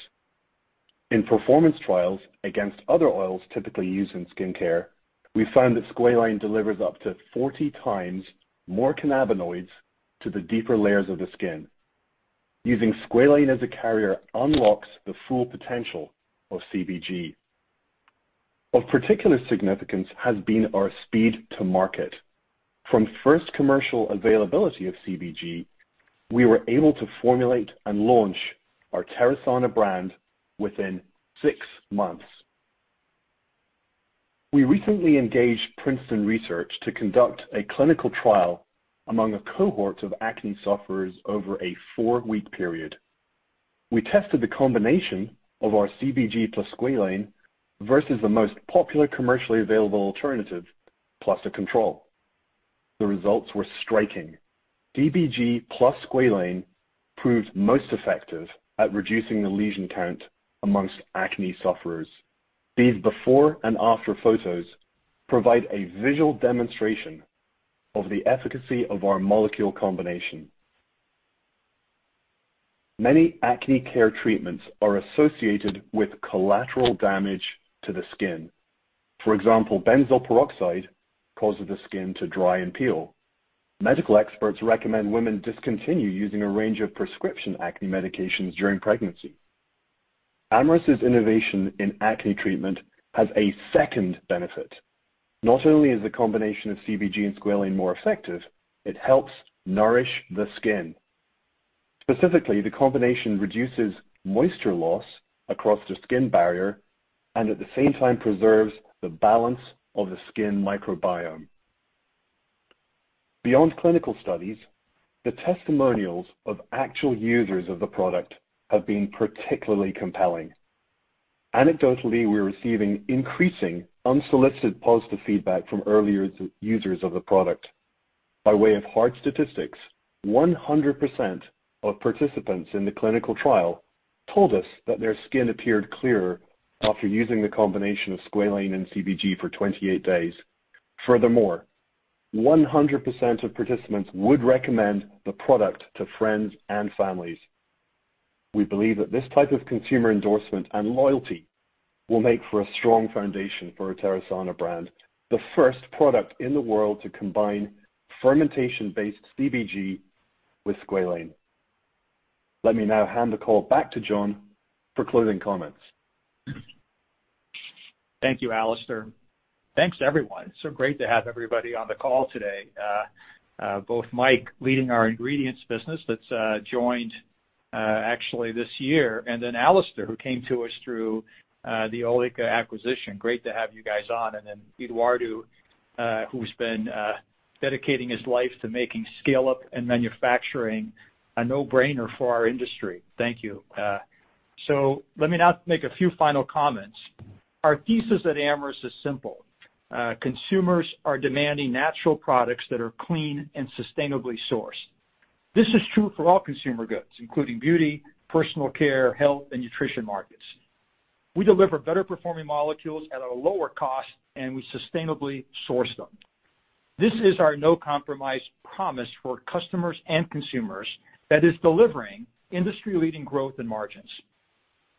In performance trials against other oils typically used in skincare, we found that squalane delivers up to 40x more cannabinoids to the deeper layers of the skin. Using squalane as a carrier unlocks the full potential of CBG. Of particular significance has been our speed to market. From first commercial availability of CBG, we were able to formulate and launch our Terasana brand within six months. We recently engaged Princeton Research to conduct a clinical trial among a cohort of acne sufferers over a four-week period. We tested the combination of our CBG plus squalane versus the most popular commercially available alternative, plus a control. The results were striking. CBG plus squalane proved most effective at reducing the lesion count amongst acne sufferers. These before and after photos provide a visual demonstration of the efficacy of our molecule combination. Many acne care treatments are associated with collateral damage to the skin. For example, benzoyl peroxide causes the skin to dry and peel. Medical experts recommend women discontinue using a range of prescription acne medications during pregnancy. Amyris' innovation in acne treatment has a second benefit. Not only is the combination of CBG and squalane more effective, it helps nourish the skin. Specifically, the combination reduces moisture loss across the skin barrier and at the same time preserves the balance of the skin microbiome. Beyond clinical studies, the testimonials of actual users of the product have been particularly compelling. Anecdotally, we're receiving increasing unsolicited positive feedback from earlier users of the product. By way of hard statistics, 100% of participants in the clinical trial told us that their skin appeared clearer after using the combination of squalane and CBG for 28 days. Furthermore, 100% of participants would recommend the product to friends and families. We believe that this type of consumer endorsement and loyalty will make for a strong foundation for our Terasana brand, the first product in the world to combine fermentation-based CBG with squalane. Let me now hand the call back to John for closing comments. Thank you, Alastair. Thanks, everyone. It's so great to have everybody on the call today. Both Mike, leading our ingredients business that's joined actually this year, and Alastair Dorward, who came to us through the OLIKA acquisition. Great to have you guys on. Eduardo, who's been dedicating his life to making scaleup and manufacturing a no-brainer for our industry. Thank you. Let me now make a few final comments. Our thesis at Amyris is simple. Consumers are demanding natural products that are clean and sustainably sourced. This is true for all consumer goods, including beauty, personal care, health, and nutrition markets. We deliver better performing molecules at a lower cost, and we sustainably source them. This is our no-compromise promise for customers and consumers that is delivering industry-leading growth and margins.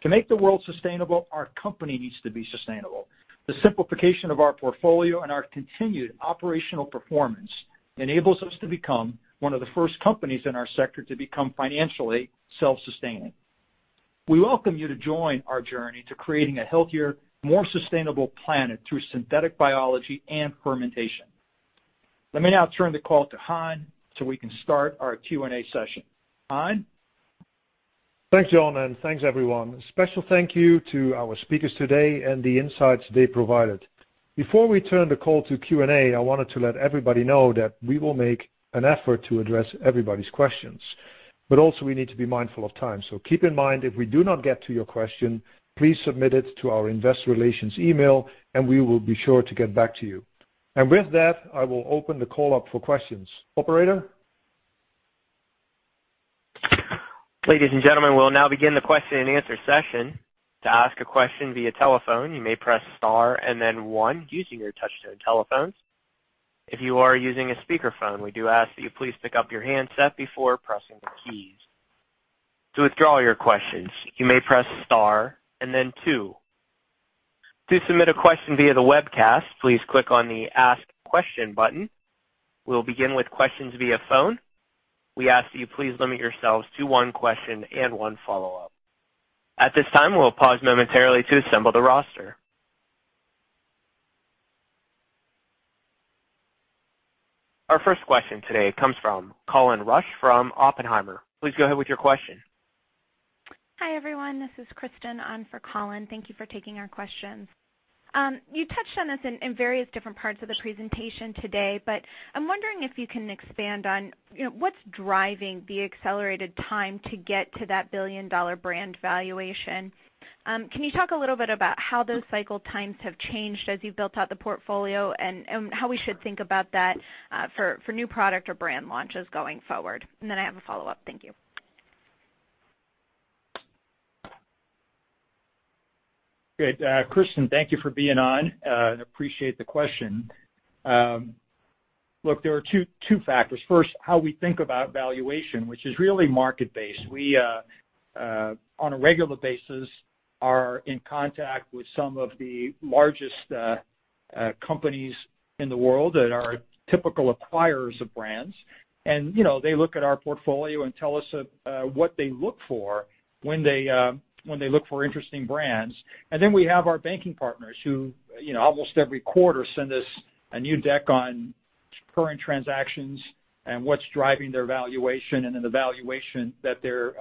To make the world sustainable, our company needs to be sustainable. The simplification of our portfolio and our continued operational performance enables us to become one of the first companies in our sector to become financially self-sustaining. We welcome you to join our journey to creating a healthier, more sustainable planet through synthetic biology and fermentation. Let me now turn the call to Han so we can start our Q&A session. Han? Thanks, John, and thanks, everyone. Special thank you to our speakers today and the insights they provided. Before we turn the call to Q&A, I wanted to let everybody know that we will make an effort to address everybody's questions. Also, we need to be mindful of time. Keep in mind, if we do not get to your question, please submit it to our investor relations email and we will be sure to get back to you. With that, I will open the call up for questions. Operator? Ladies and gentlemen, we'll now begin the question and answer session. To ask a question via telephone, you may press star and then one using your touchtone telephones. If you are using a speakerphone, we do ask that you please pick up your handset before pressing the keys. To withdraw your questions, you may press star and then two. To submit a question via the webcast, please click on the Ask Question button. We'll begin with questions via phone. We ask that you please limit yourselves to one question and one follow-up. At this time, we'll pause momentarily to assemble the roster. Our first question today comes from Colin Rusch from Oppenheimer. Please go ahead with your question. Hi, everyone. This is Kristen on for Colin. Thank you for taking our questions. You touched on this in various different parts of the presentation today, but I'm wondering if you can expand on what's driving the accelerated time to get to that billion-dollar brand valuation. Can you talk a little bit about how those cycle times have changed as you've built out the portfolio and how we should think about that for new product or brand launches going forward? Then I have a follow-up. Thank you. Great. Kristen, thank you for being on, appreciate the question. Look, there are two factors. First, how we think about valuation, which is really market-based. We, on a regular basis, are in contact with some of the largest companies in the world that are typical acquirers of brands. They look at our portfolio and tell us what they look for when they look for interesting brands. We have our banking partners who almost every quarter send us a new deck on current transactions and what's driving their valuation and then the valuation that they're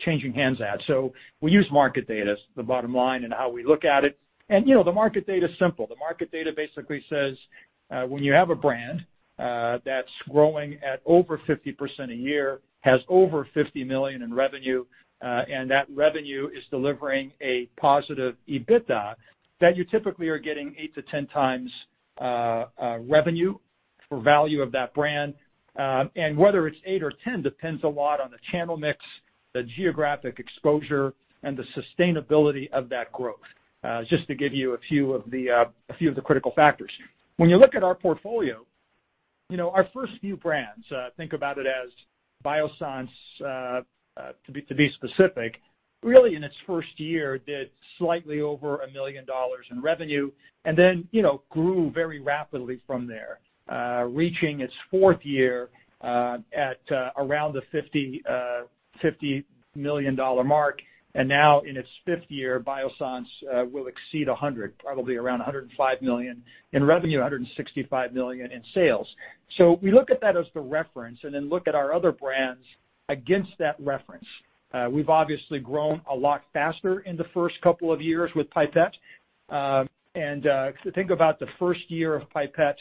changing hands at. We use market data as the bottom line in how we look at it. The market data is simple. The market data basically says when you have a brand that's growing at over 50% a year, has over $50 million in revenue, and that revenue is delivering a positive EBITDA, then you typically are getting 8x to 10xtimes revenue for value of that brand. Whether it's 8x or 10x depends a lot on the channel mix, the geographic exposure, and the sustainability of that growth. Just to give you a few of the critical factors. When you look at our portfolio, our first few brands, think about it as Biossance, to be specific, really in its first year did slightly over $1 million in revenue. Then grew very rapidly from there, reaching its fourth year at around the $50 million mark. Now in its fifth year, Biossance will exceed $100 million, probably around $105 million in revenue, $165 million in sales. We look at that as the reference and then look at our other brands against that reference. We've obviously grown a lot faster in the first couple of years with Pipette. Think about the first year of Pipette,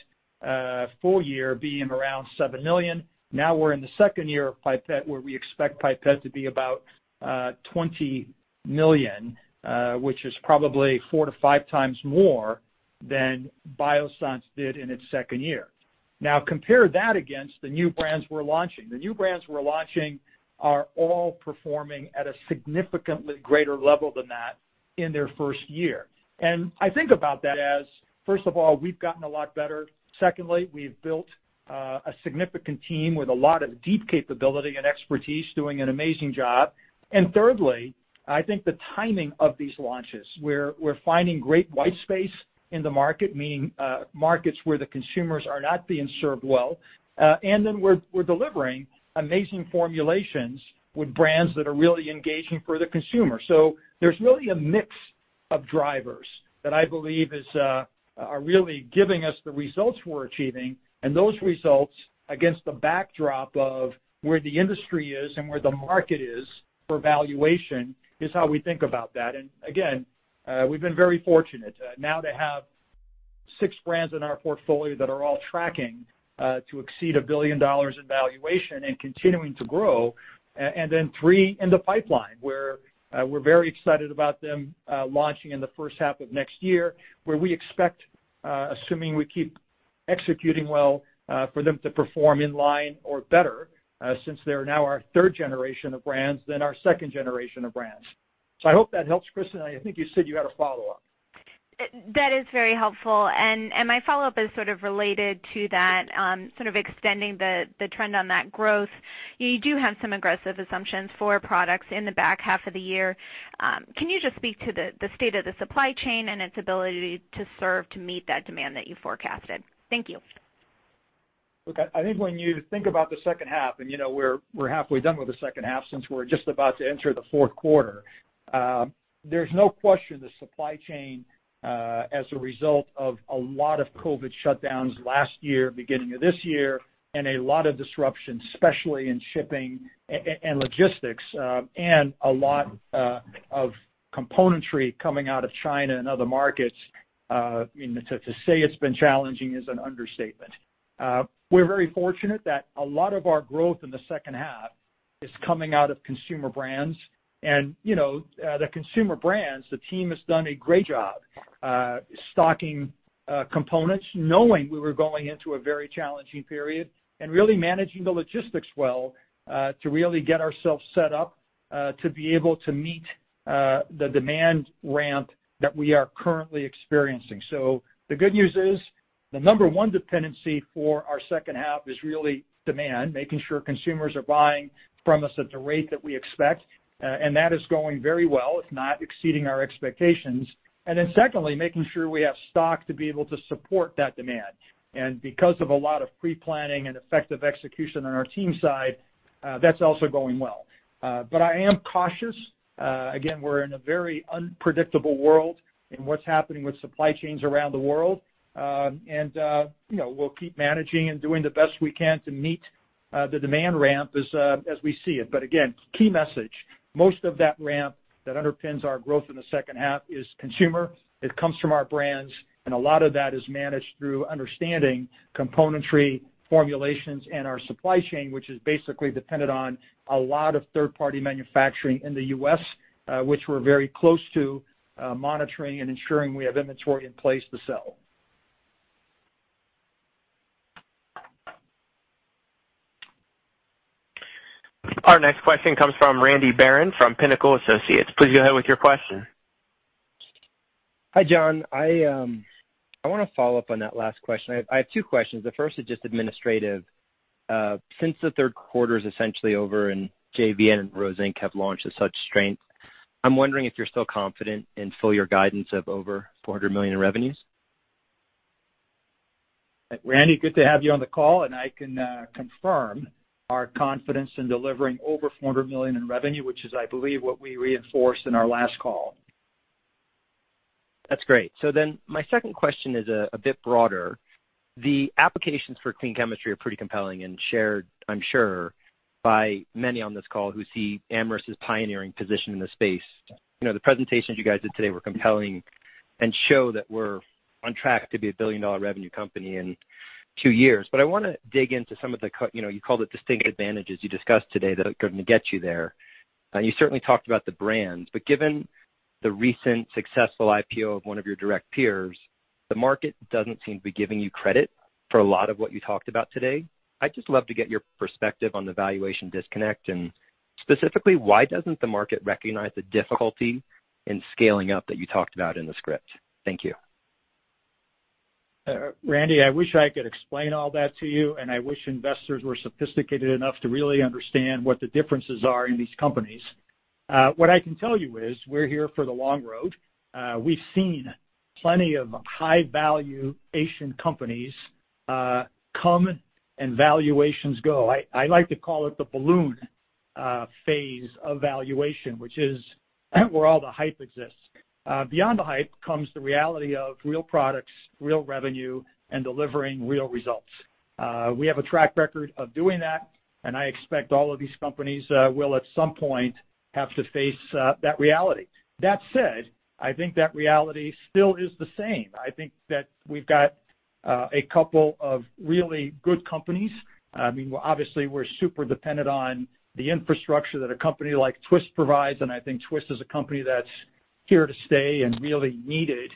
full year being around $7 million. We're in the second year of Pipette, where we expect Pipette to be about $20 million, which is probably 4x to 5x more than Biossance did in its second year. Compare that against the new brands we're launching. The new brands we're launching are all performing at a significantly greater level than that in their first year. I think about that as, first of all, we've gotten a lot better. Secondly, we've built a significant team with a lot of deep capability and expertise doing an amazing job. Thirdly, I think the timing of these launches, where we're finding great white space in the market, meaning markets where the consumers are not being served well. Then we're delivering amazing formulations with brands that are really engaging for the consumer. There's really a mix of drivers that I believe are really giving us the results we're achieving. Those results, against the backdrop of where the industry is and where the market is for valuation, is how we think about that. Again, we've been very fortunate now to have six brands in our portfolio that are all tracking to exceed $1 billion in valuation and continuing to grow, and then three in the pipeline, where we're very excited about them launching in the first half of next year, where we expect, assuming we keep executing well for them to perform in line or better, since they're now our third generation of brands than our second generation of brands. I hope that helps, Kris, and I think you said you had a follow-up. That is very helpful. My follow-up is sort of related to that, sort of extending the trend on that growth. You do have some aggressive assumptions for products in the back half of the year. Can you just speak to the state of the supply chain and its ability to serve to meet that demand that you forecasted? Thank you. Look, I think when you think about the second half, we're halfway done with the second half since we're just about to enter the fourth quarter. There's no question the supply chain, as a result of a lot of COVID shutdowns last year, beginning of this year, and a lot of disruption, especially in shipping and logistics, and a lot of componentry coming out of China and other markets, to say it's been challenging is an understatement. We're very fortunate that a lot of our growth in the second half is coming out of consumer brands. The consumer brands, the team has done a great job stocking components, knowing we were going into a very challenging period, and really managing the logistics well, to really get ourselves set up to be able to meet the demand ramp that we are currently experiencing. The good news is the number one dependency for our second half is really demand, making sure consumers are buying from us at the rate that we expect. That is going very well, if not exceeding our expectations. Then secondly, making sure we have stock to be able to support that demand. Because of a lot of pre-planning and effective execution on our team side, that's also going well. I am cautious. Again, we're in a very unpredictable world in what's happening with supply chains around the world. We'll keep managing and doing the best we can to meet the demand ramp as we see it. Again, key message, most of that ramp that underpins our growth in the second half is consumer. It comes from our brands, and a lot of that is managed through understanding componentry formulations and our supply chain, which is basically dependent on a lot of third-party manufacturing in the U.S., which we're very close to monitoring and ensuring we have inventory in place to sell. Our next question comes from Randy Baron from Pinnacle Associates. Please go ahead with your question. Hi, John. I want to follow up on that last question. I have two questions. The first is just administrative. Since the third quarter is essentially over and JVN and Rose Inc. Have launched at such strength, I'm wondering if you're still confident in full-year guidance of over $400 million in revenues. Randy, good to have you on the call, and I can confirm our confidence in delivering over $400 million in revenue, which is, I believe, what we reinforced in our last call. That's great. My second question is a bit broader. The applications for clean chemistry are pretty compelling and shared, I'm sure, by many on this call who see Amyris' pioneering position in the space. The presentations you guys did today were compelling and show that we're on track to be a billion-dollar revenue company in two years. I want to dig into some of the, you called it distinct advantages you discussed today that are going to get you there. You certainly talked about the brands, but given the recent successful IPO of one of your direct peers, the market doesn't seem to be giving you credit for a lot of what you talked about today. I'd just love to get your perspective on the valuation disconnect, and specifically, why doesn't the market recognize the difficulty in scaling up that you talked about in the script? Thank you. Randy, I wish I could explain all that to you, and I wish investors were sophisticated enough to really understand what the differences are in these companies. What I can tell you is we're here for the long road. We've seen plenty of high valuation companies come and valuations go. I like to call it the balloon phase of valuation, which is where all the hype exists. Beyond the hype comes the reality of real products, real revenue, and delivering real results. We have a track record of doing that, and I expect all of these companies will at some point have to face that reality. That said, I think that reality still is the same. I think that we've got a couple of really good companies. Obviously, we're super dependent on the infrastructure that a company like Twist provides, and I think Twist is a company that's here to stay and really needed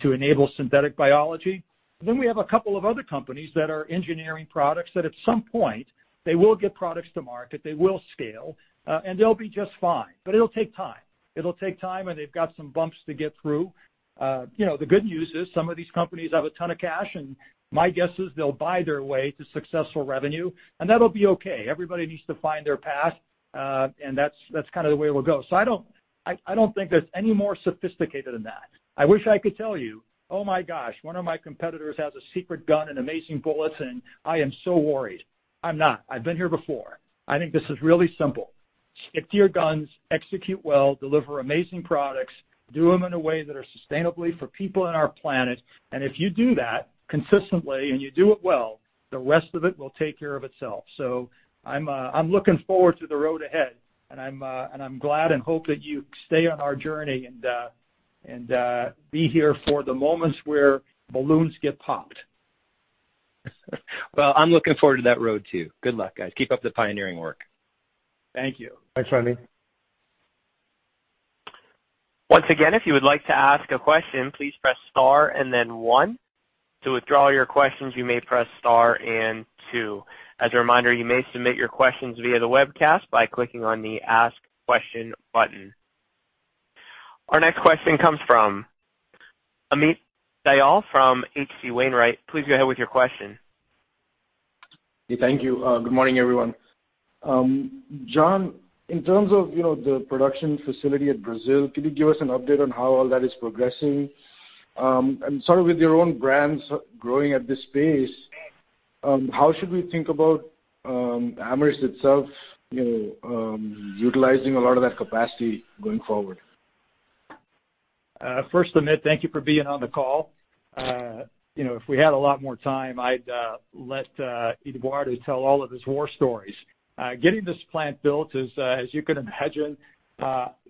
to enable synthetic biology. We have a couple of other companies that are engineering products that at some point they will get products to market, they will scale, and they'll be just fine. It'll take time. It'll take time, and they've got some bumps to get through. The good news is some of these companies have a ton of cash and my guess is they'll buy their way to successful revenue, and that'll be okay. Everybody needs to find their path. That's the way it will go. I don't think that it's any more sophisticated than that. I wish I could tell you, "Oh my gosh, one of my competitors has a secret gun and amazing bullets, and I am so worried." I'm not. I've been here before. I think this is really simple. Stick to your guns, execute well, deliver amazing products, do them in a way that are sustainably for people and our planet, and if you do that consistently, and you do it well, the rest of it will take care of itself. I'm looking forward to the road ahead, and I'm glad and hope that you stay on our journey and be here for the moments where balloons get popped. Well, I'm looking forward to that road too. Good luck, guys. Keep up the pioneering work. Thank you. Thanks, Randy. Once again, if you would like to ask a question, please press star and then one. To withdraw your questions, you may press star and two. As a reminder, you may submit your questions via the webcast by clicking on the Ask Question button. Our next question comes from Amit Dayal from H.C. Wainwright. Please go ahead with your question. Thank you. Good morning, everyone. John, in terms of the production facility at Brazil, could you give us an update on how all that is progressing? Sort of with your own brands growing at this pace, how should we think about Amyris itself utilizing a lot of that capacity going forward? First, Amit, thank you for being on the call. If we had a lot more time, I'd let Eduardo tell all of his war stories. Getting this plant built is, as you could imagine,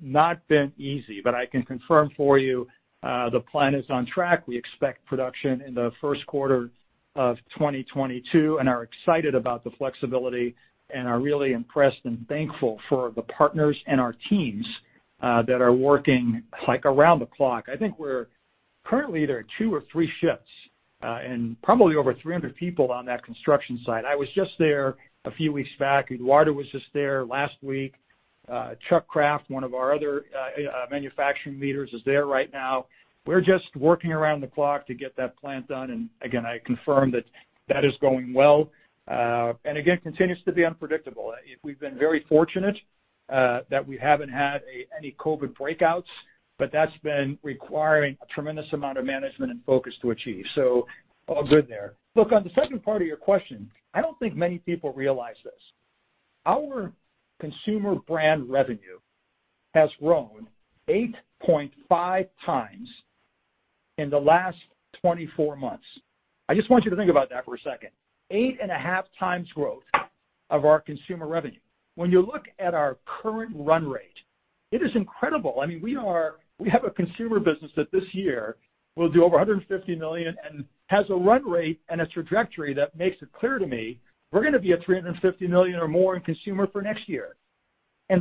not been easy, but I can confirm for you, the plan is on track. We expect production in the first quarter of 2022 and are excited about the flexibility and are really impressed and thankful for the partners and our teams that are working around the clock. I think we're currently, there are two or three shifts, and probably over 300 people on that construction site. I was just there a few weeks back. Eduardo was just there last week. Chuck Kraft, one of our other manufacturing leaders, is there right now. We're just working around the clock to get that plant done, and again, I confirm that is going well. Again continues to be unpredictable. We've been very fortunate that we haven't had any COVID breakouts, but that's been requiring a tremendous amount of management and focus to achieve. All good there. On the second part of your question, I don't think many people realize this. Our consumer brand revenue has grown 8.5x in the last 24 months. I just want you to think about that for a second. 8.5x growth of our consumer revenue. When you look at our current run rate, it is incredible. We have a consumer business that this year will do over $150 million and has a run rate and a trajectory that makes it clear to me we're going to be at $350 million or more in consumer for next year.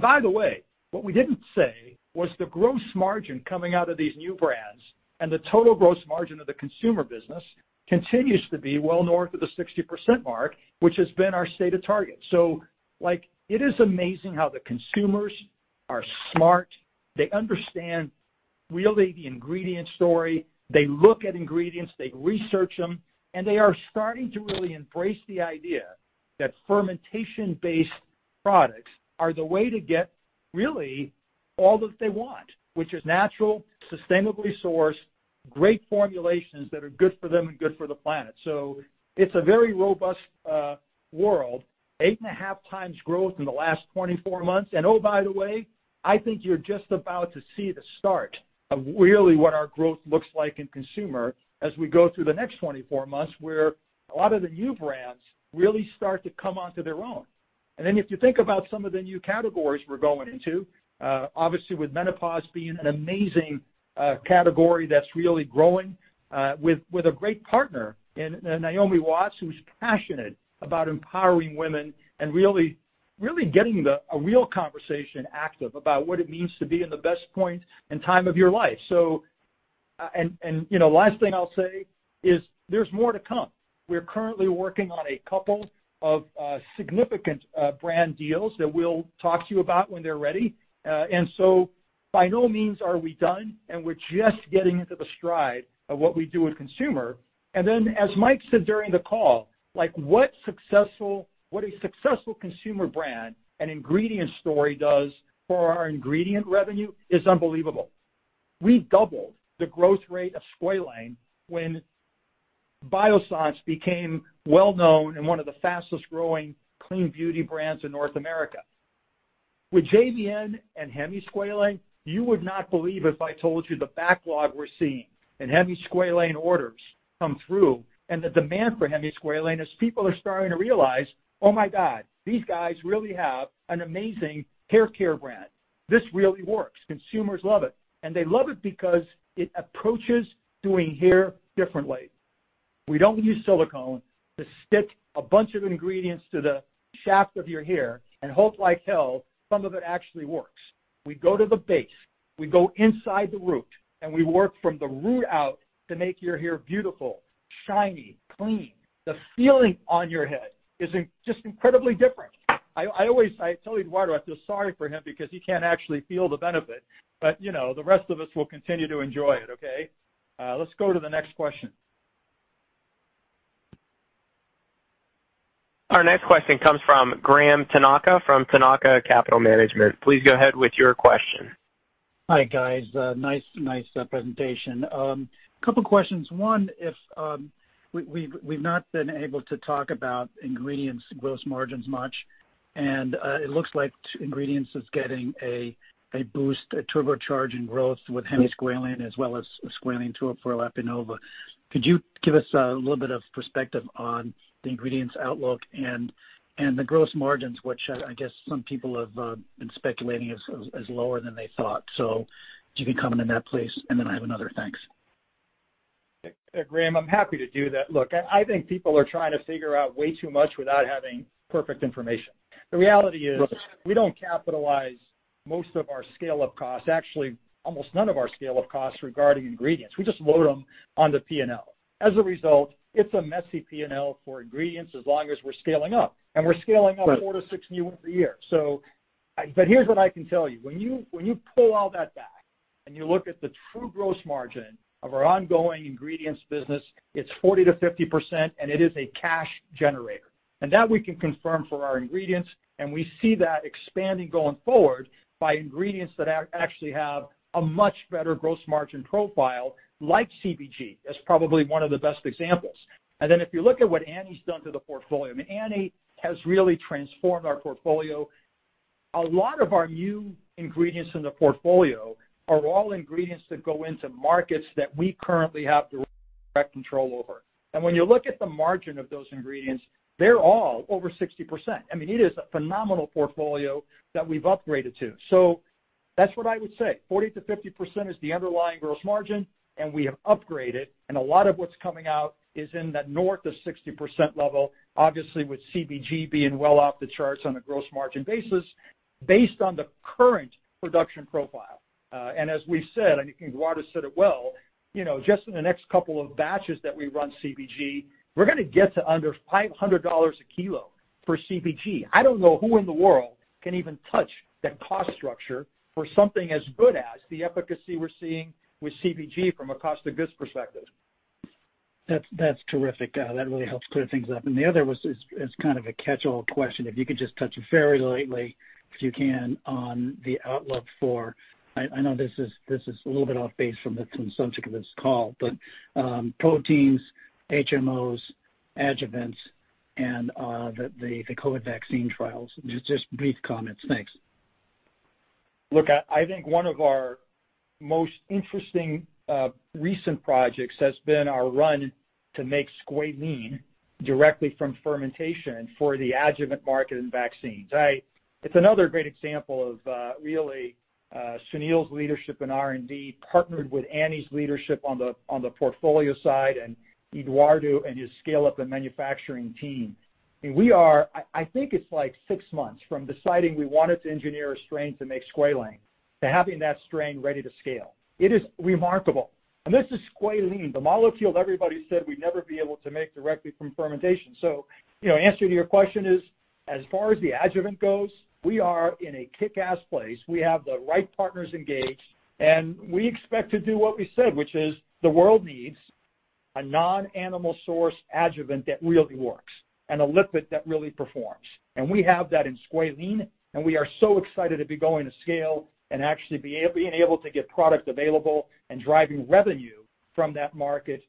By the way, what we didn't say was the gross margin coming out of these new brands and the total gross margin of the consumer business continues to be well north of the 60% mark, which has been our stated target. It is amazing how the consumers are smart. They understand really the ingredient story. They look at ingredients, they research them, and they are starting to really embrace the idea that fermentation-based products are the way to get really all that they want, which is natural, sustainably sourced, great formulations that are good for them and good for the planet. It's a very robust world. 8.5x growth in the last 24 months. Oh, by the way, I think you're just about to see the start of really what our growth looks like in consumer as we go through the next 24 months where a lot of the new brands really start to come onto their own. If you think about some of the new categories we're going into, obviously with menopause being an amazing category that's really growing, with a great partner in Naomi Watts, who's passionate about empowering women and really getting a real conversation active about what it means to be in the best point and time of your life. Last thing I'll say is there's more to come. We're currently working on a couple of significant brand deals that we'll talk to you about when they're ready. By no means are we done, and we're just getting into the stride of what we do with consumer. As Mike said during the call, what a successful consumer brand and ingredient story does for our ingredient revenue is unbelievable. We doubled the growth rate of squalane when Biossance became well-known and one of the fastest-growing clean beauty brands in North America. With JVN and hemisqualane, you would not believe if I told you the backlog we're seeing in hemisqualane orders come through and the demand for hemisqualane as people are starting to realize, "Oh my God, these guys really have an amazing hair care brand. This really works." Consumers love it. They love it because it approaches doing hair differently. We don't use silicone to stick a bunch of ingredients to the shaft of your hair and hope like hell some of it actually works. We go to the base, we go inside the root, and we work from the root out to make your hair beautiful, shiny, clean. The feeling on your head is just incredibly different. I always tell Eduardo I feel sorry for him because he can't actually feel the benefit. The rest of us will continue to enjoy it, okay. Let's go to the next question. Our next question comes from Graham Tanaka from Tanaka Capital Management. Please go ahead with your question. Hi, guys. Nice presentation. Couple questions. One, we've not been able to talk about ingredients gross margins much, and it looks like ingredients is getting a boost, a turbocharge in growth with hemisqualane as well as the squalane too, for Aprinnova. Could you give us a little bit of perspective on the ingredients outlook and the gross margins, which I guess some people have been speculating is lower than they thought. If you can comment on that, please, and then I have another. Thanks. Graham, I'm happy to do that. Look, I think people are trying to figure out way too much without having perfect information. The reality is. Right We don't capitalize most of our scale-up costs. Actually, almost none of our scale-up costs regarding ingredients. We just load them on the P&L. As a result, it's a messy P&L for ingredients as long as we're scaling up, and we're scaling up four to six new every year. Here's what I can tell you. When you pull all that back and you look at the true gross margin of our ongoing ingredients business, it's 40% - 50%, and it is a cash generator. That we can confirm for our ingredients, and we see that expanding going forward by ingredients that actually have a much better gross margin profile, like CBG. That's probably one of the best examples. If you look at what Annie's done to the portfolio, I mean, Annie has really transformed our portfolio. A lot of our new ingredients in the portfolio are all ingredients that go into markets that we currently have direct control over. When you look at the margin of those ingredients, they're all over 60%. I mean, it is a phenomenal portfolio that we've upgraded to. That's what I would say, 40% -5 0% is the underlying gross margin, and we have upgraded, and a lot of what's coming out is in that north of 60% level, obviously with CBG being well off the charts on a gross margin basis based on the current production profile. As we said, I think Eduardo said it well, just in the next couple of batches that we run CBG, we're going to get to under $500 a kilo for CBG. I don't know who in the world can even touch that cost structure for something as good as the efficacy we're seeing with CBG from a cost of goods perspective. That's terrific. That really helps clear things up. The other was, it's kind of a catchall question. If you could just touch very lightly, if you can, on the outlook for, I know this is a little bit off base from the subject of this call, but proteins, HMOs, adjuvants, and the COVID vaccine trials. Just brief comments. Thanks. Look, I think one of our most interesting recent projects has been our run to make squalane directly from fermentation for the adjuvant market in vaccines. It's another great example of really Sunil's leadership in R&D, partnered with Annie's leadership on the portfolio side, and Eduardo and his scale-up and manufacturing team. I think it's six months from deciding we wanted to engineer a strain to make squalane to having that strain ready to scale. It is remarkable. This is squalene, the molecule everybody said we'd never be able to make directly from fermentation. Answer to your question is, as far as the adjuvant goes, we are in a kickass place. We have the right partners engaged, and we expect to do what we said, which is the world needs a non-animal source adjuvant that really works and a lipid that really performs. We have that in squalane, and we are so excited to be going to scale and actually being able to get product available and driving revenue from that market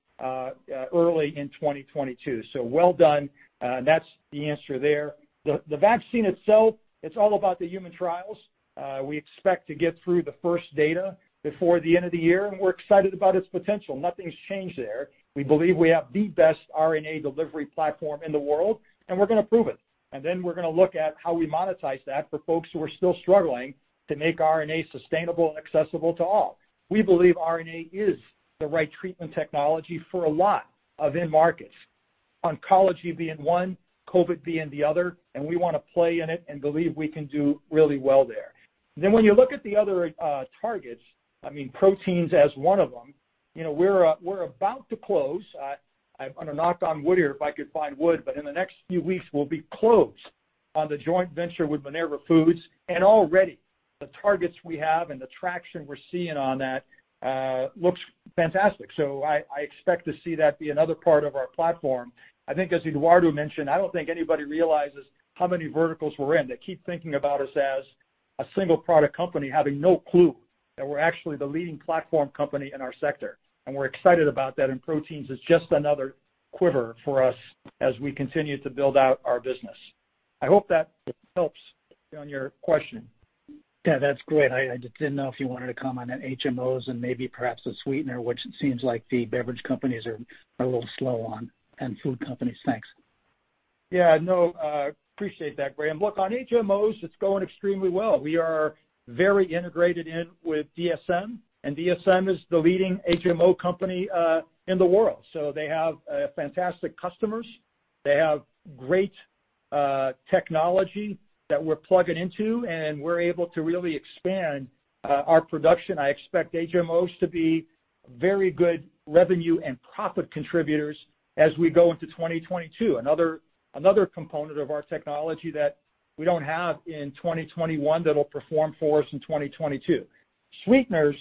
early in 2022. Well done. That's the answer there. The vaccine itself, it's all about the human trials. We expect to get through the first data before the end of the year, and we're excited about its potential. Nothing's changed there. We believe we have the best RNA delivery platform in the world, and we're going to prove it. Then we're going to look at how we monetize that for folks who are still struggling to make RNA sustainable and accessible to all. We believe RNA is the right treatment technology for a lot of end markets, oncology being one, COVID being the other, and we want to play in it and believe we can do really well there. When you look at the other targets, proteins as one of them, we're about to close. I'm going to knock on wood here if I could find wood, but in the next few weeks, we'll be closed on the joint venture with Minerva Foods, and already the targets we have and the traction we're seeing on that looks fantastic. I expect to see that be another part of our platform. I think as Eduardo mentioned, I don't think anybody realizes how many verticals we're in. They keep thinking about us as a single product company having no clue that we're actually the leading platform company in our sector, and we're excited about that, and proteins is just another quiver for us as we continue to build out our business. I hope that helps on your question. Yeah, that's great. I just didn't know if you wanted to comment on HMOs and maybe perhaps a sweetener, which it seems like the beverage companies are a little slow on, and food companies. Thanks. Yeah, no, appreciate that, Graham. Look, on HMOs, it's going extremely well. We are very integrated in with DSM, and DSM is the leading HMO company in the world. They have fantastic customers. They have great technology that we're plugging into, and we're able to really expand our production. I expect HMOs to be very good revenue and profit contributors as we go into 2022. Another component of our technology that we don't have in 2021 that'll perform for us in 2022. Sweeteners,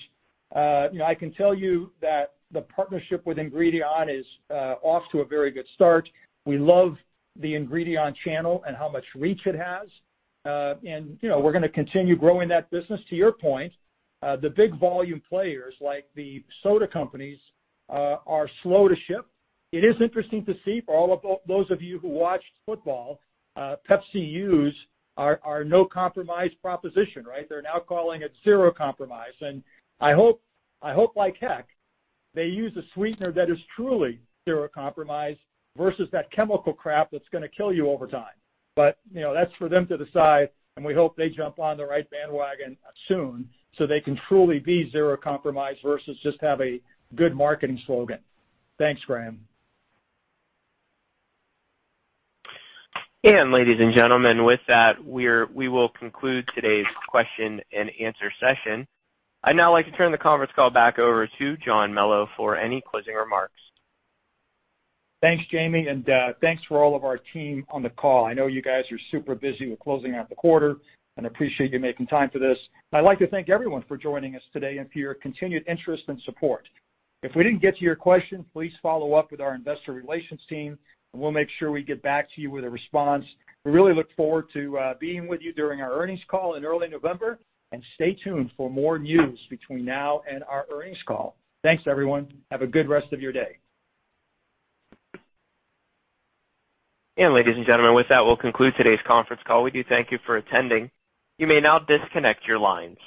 I can tell you that the partnership with Ingredion is off to a very good start. We love the Ingredion channel and how much reach it has. We're going to continue growing that business. To your point, the big volume players, like the soda companies, are slow to ship. It is interesting to see, for all of those of you who watched football, Pepsi use our No Compromise proposition, right? They're now calling it Zero Compromise, and I hope like heck they use a sweetener that is truly zero compromise versus that chemical crap that's going to kill you over time. That's for them to decide, and we hope they jump on the right bandwagon soon so they can truly be zero compromise versus just have a good marketing slogan. Thanks, Graham. Ladies and gentlemen, with that, we will conclude today's question and answer session. I'd now like to turn the conference call back over to John Melo for any closing remarks. Thanks, Jamie, and thanks for all of our team on the call. I know you guys are super busy with closing out the quarter, and appreciate you making time for this. I'd like to thank everyone for joining us today and for your continued interest and support. If we didn't get to your question, please follow up with our investor relations team, and we'll make sure we get back to you with a response. We really look forward to being with you during our earnings call in early November. Stay tuned for more news between now and our earnings call. Thanks, everyone. Have a good rest of your day. Ladies and gentlemen, with that, we'll conclude today's conference call. We do thank you for attending. You may now disconnect your lines.